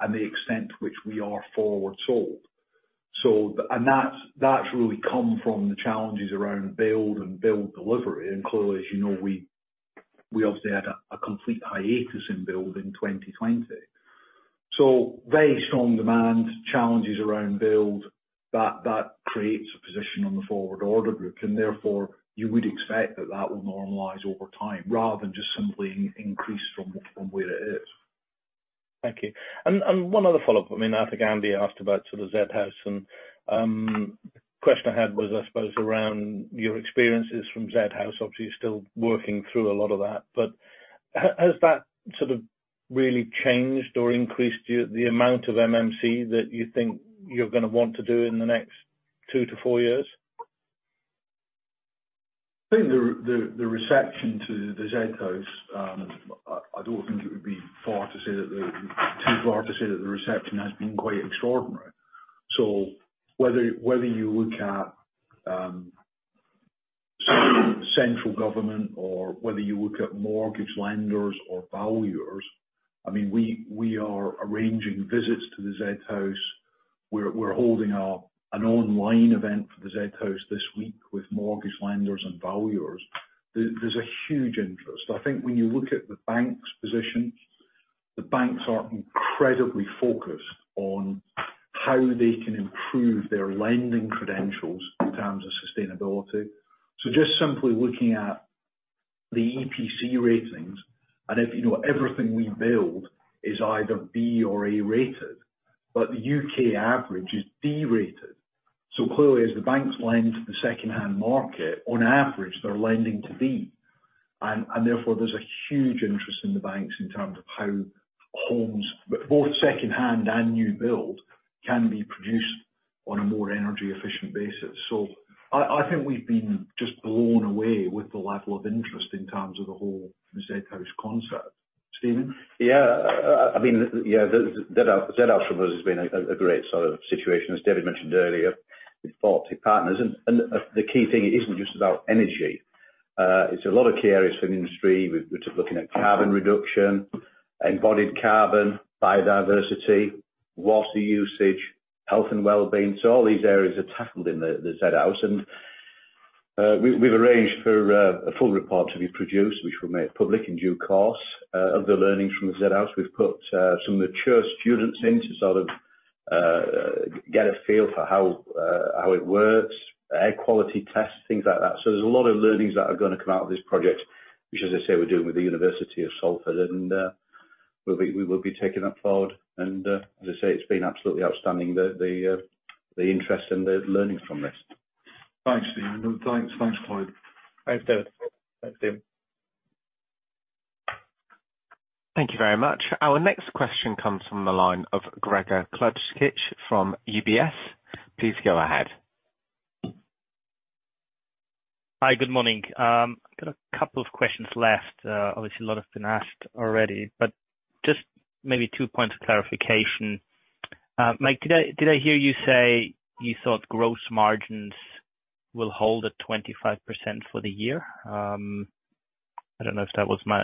and the extent to which we are forward sold. That's really come from the challenges around build and build delivery. Clearly, as you know, we obviously had a complete hiatus in build in 2020. Very strong demand, challenges around build, that creates a position on the forward order book, and therefore you would expect that will normalize over time rather than just simply increase from where it is. Thank you. One other follow-up. I mean, I think Andy asked about sort of the Zed House and question I had was, I suppose, around your experiences from Zed House. Obviously, you're still working through a lot of that. Has that sort of really changed or increased the amount of MMC that you think you're gonna want to do in the next 2-4 years? I think the reception to the Zed House. I don't think it would be too far to say that the reception has been quite extraordinary. Whether you look at central government or whether you look at mortgage lenders or valuers, I mean, we are arranging visits to the Zed House. We're holding an online event for the Zed House this week with mortgage lenders and valuers. There's a huge interest. I think when you look at the banks' position, the banks are incredibly focused on how they can improve their lending credentials in terms of sustainability. Just simply looking at the EPC ratings, and you know everything we build is either B or A rated, but the U.K. average is D rated. Clearly as the banks lend to the second-hand market, on average, they're lending to B. Therefore, there's a huge interest in the banks in terms of how homes, both second-hand and new build, can be produced on a more energy efficient basis. I think we've been just blown away with the level of interest in terms of the whole Zed House concept. Steven? I mean, the Zed House for us has been a great sort of situation, as David mentioned earlier, with 40 partners. The key thing, it isn't just about energy. It's a lot of key areas for the industry. We're just looking at carbon reduction, embodied carbon, biodiversity, water usage, health and wellbeing. All these areas are tackled in the Zed House. We've arranged for a full report to be produced, which we'll make public in due course, of the learnings from the Zed House. We've put some of the chair students in to sort of get a feel for how it works, air quality tests, things like that. There's a lot of learnings that are gonna come out of this project, which as I say, we're doing with the University of Salford, and we will be taking that forward. As I say, it's been absolutely outstanding, the interest and the learnings from this. Thanks, Stephen. Thanks, Clive. Thanks, David. Thanks, Steven. Thank you very much. Our next question comes from the line of Gregor Kuglitsch from UBS. Please go ahead. Hi, good morning. I've got a couple of questions left. Obviously a lot have been asked already, but just maybe two points of clarification. Mike, did I hear you say you thought gross margins will hold at 25% for the year? I don't know if that was my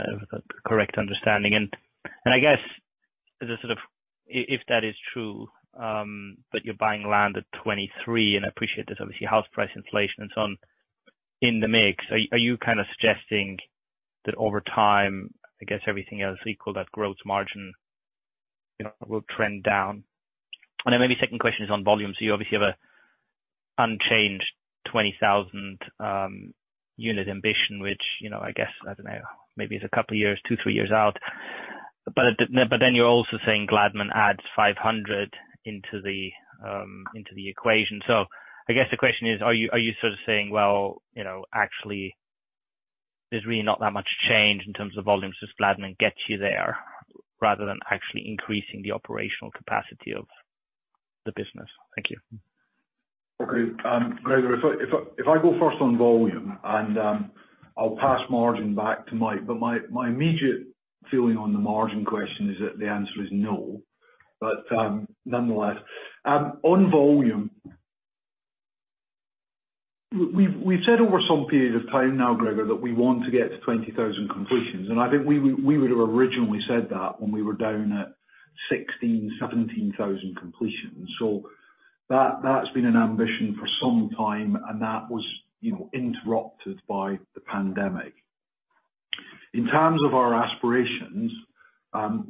correct understanding. And I guess, as a sort of if that is true, but you're buying land at 23%, and I appreciate there's obviously house price inflation and so on in the mix. Are you kind of suggesting that over time, I guess everything else equal, that gross margin, you know, will trend down? And then maybe second question is on volume. So you obviously have an unchanged 20,000 unit ambition, which, you know, I guess, I don't know, maybe is a couple of years, two, three years out. You're also saying Gladman adds 500 into the equation. I guess the question is, are you sort of saying, well, you know, actually there's really not that much change in terms of volume, so Gladman gets you there rather than actually increasing the operational capacity of the business? Thank you. Okay. Gregor, if I go first on volume and I'll pass margin back to Mike. My immediate feeling on the margin question is that the answer is no. Nonetheless, on volume, we've said over some period of time now, Gregor, that we want to get to 20,000 completions, and I think we would have originally said that when we were down at 16,000-17,000 completions. That's been an ambition for some time, and that was, you know, interrupted by the pandemic. In terms of our aspirations,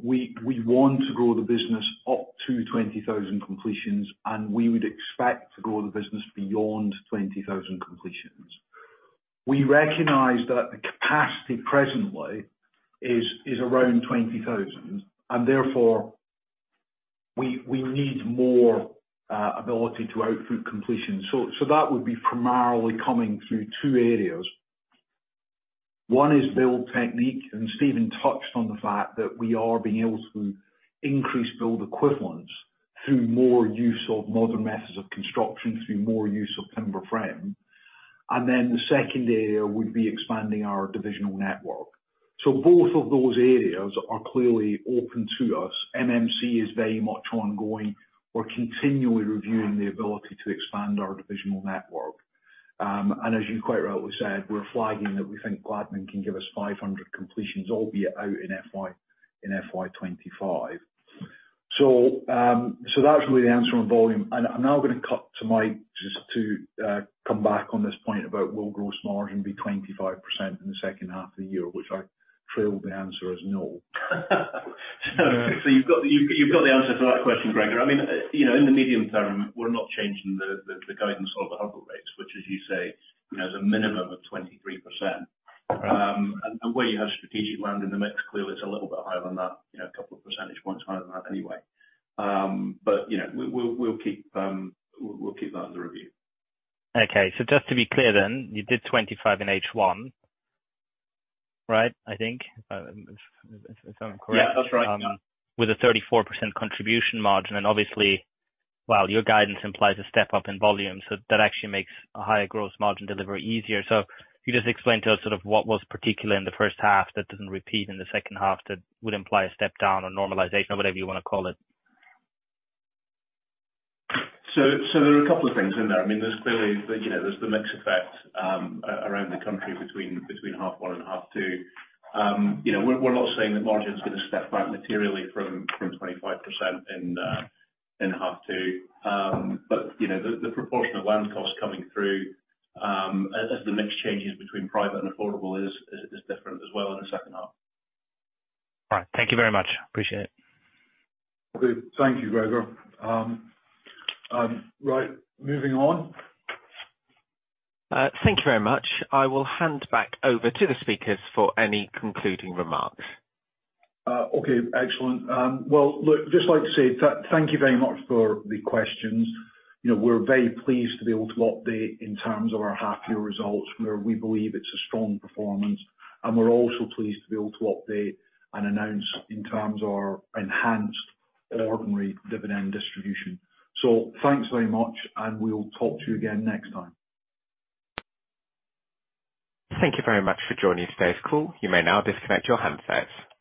we want to grow the business up to 20,000 completions, and we would expect to grow the business beyond 20,000 completions. We recognize that the capacity presently is around 20,000 and therefore we need more ability to output through completion. That would be primarily coming through two areas. One is build technique, and Steven touched on the fact that we are being able to increase build equivalents through more use of modern methods of construction, through more use of timber framing. The second area would be expanding our divisional network. Both of those areas are clearly open to us. MMC is very much ongoing. We're continually reviewing the ability to expand our divisional network. As you quite rightly said, we're flagging that we think Gladman can give us 500 completions, albeit out in FY 2025. That's really the answer on volume. I'm now gonna cut to Mike just to come back on this point about will gross margin be 25% in the second half of the year, which I tease the answer as no. You've got the answer to that question, Gregor. I mean, you know, in the medium term, we're not changing the guidance or the hurdle rates, which as you say, you know, is a minimum of 23%. Where you have strategic land in the mix, clearly it's a little bit higher than that, you know, a couple of percentage points higher than that anyway. You know, we'll keep that under review. Okay. Just to be clear then, you did 25 in H1, right? I think. If I'm correct. Yeah, that's right. With a 34% contribution margin and obviously while your guidance implies a step up in volume, that actually makes a higher gross margin delivery easier. Can you just explain to us sort of what was particular in the first half that doesn't repeat in the second half that would imply a step down or normalization or whatever you wanna call it? There are a couple of things in there. I mean, there's clearly, you know, there's the mix effect around the country between first half and second half. You know, we're not saying that margin is gonna step back materially from 25% in second half. You know, the proportion of land costs coming through as the mix changes between private and affordable is different as well in the second half. All right. Thank you very much. Appreciate it. Good. Thank you, Gregor. Right. Moving on. Thank you very much. I will hand back over to the speakers for any concluding remarks. Okay. Excellent. Well, look, just like to say thank you very much for the questions. You know, we're very pleased to be able to update in terms of our half year results, where we believe it's a strong performance. We're also pleased to be able to update and announce in terms of our enhanced ordinary dividend distribution. Thanks very much, and we'll talk to you again next time. Thank you very much for joining today's call. You may now disconnect your handsets.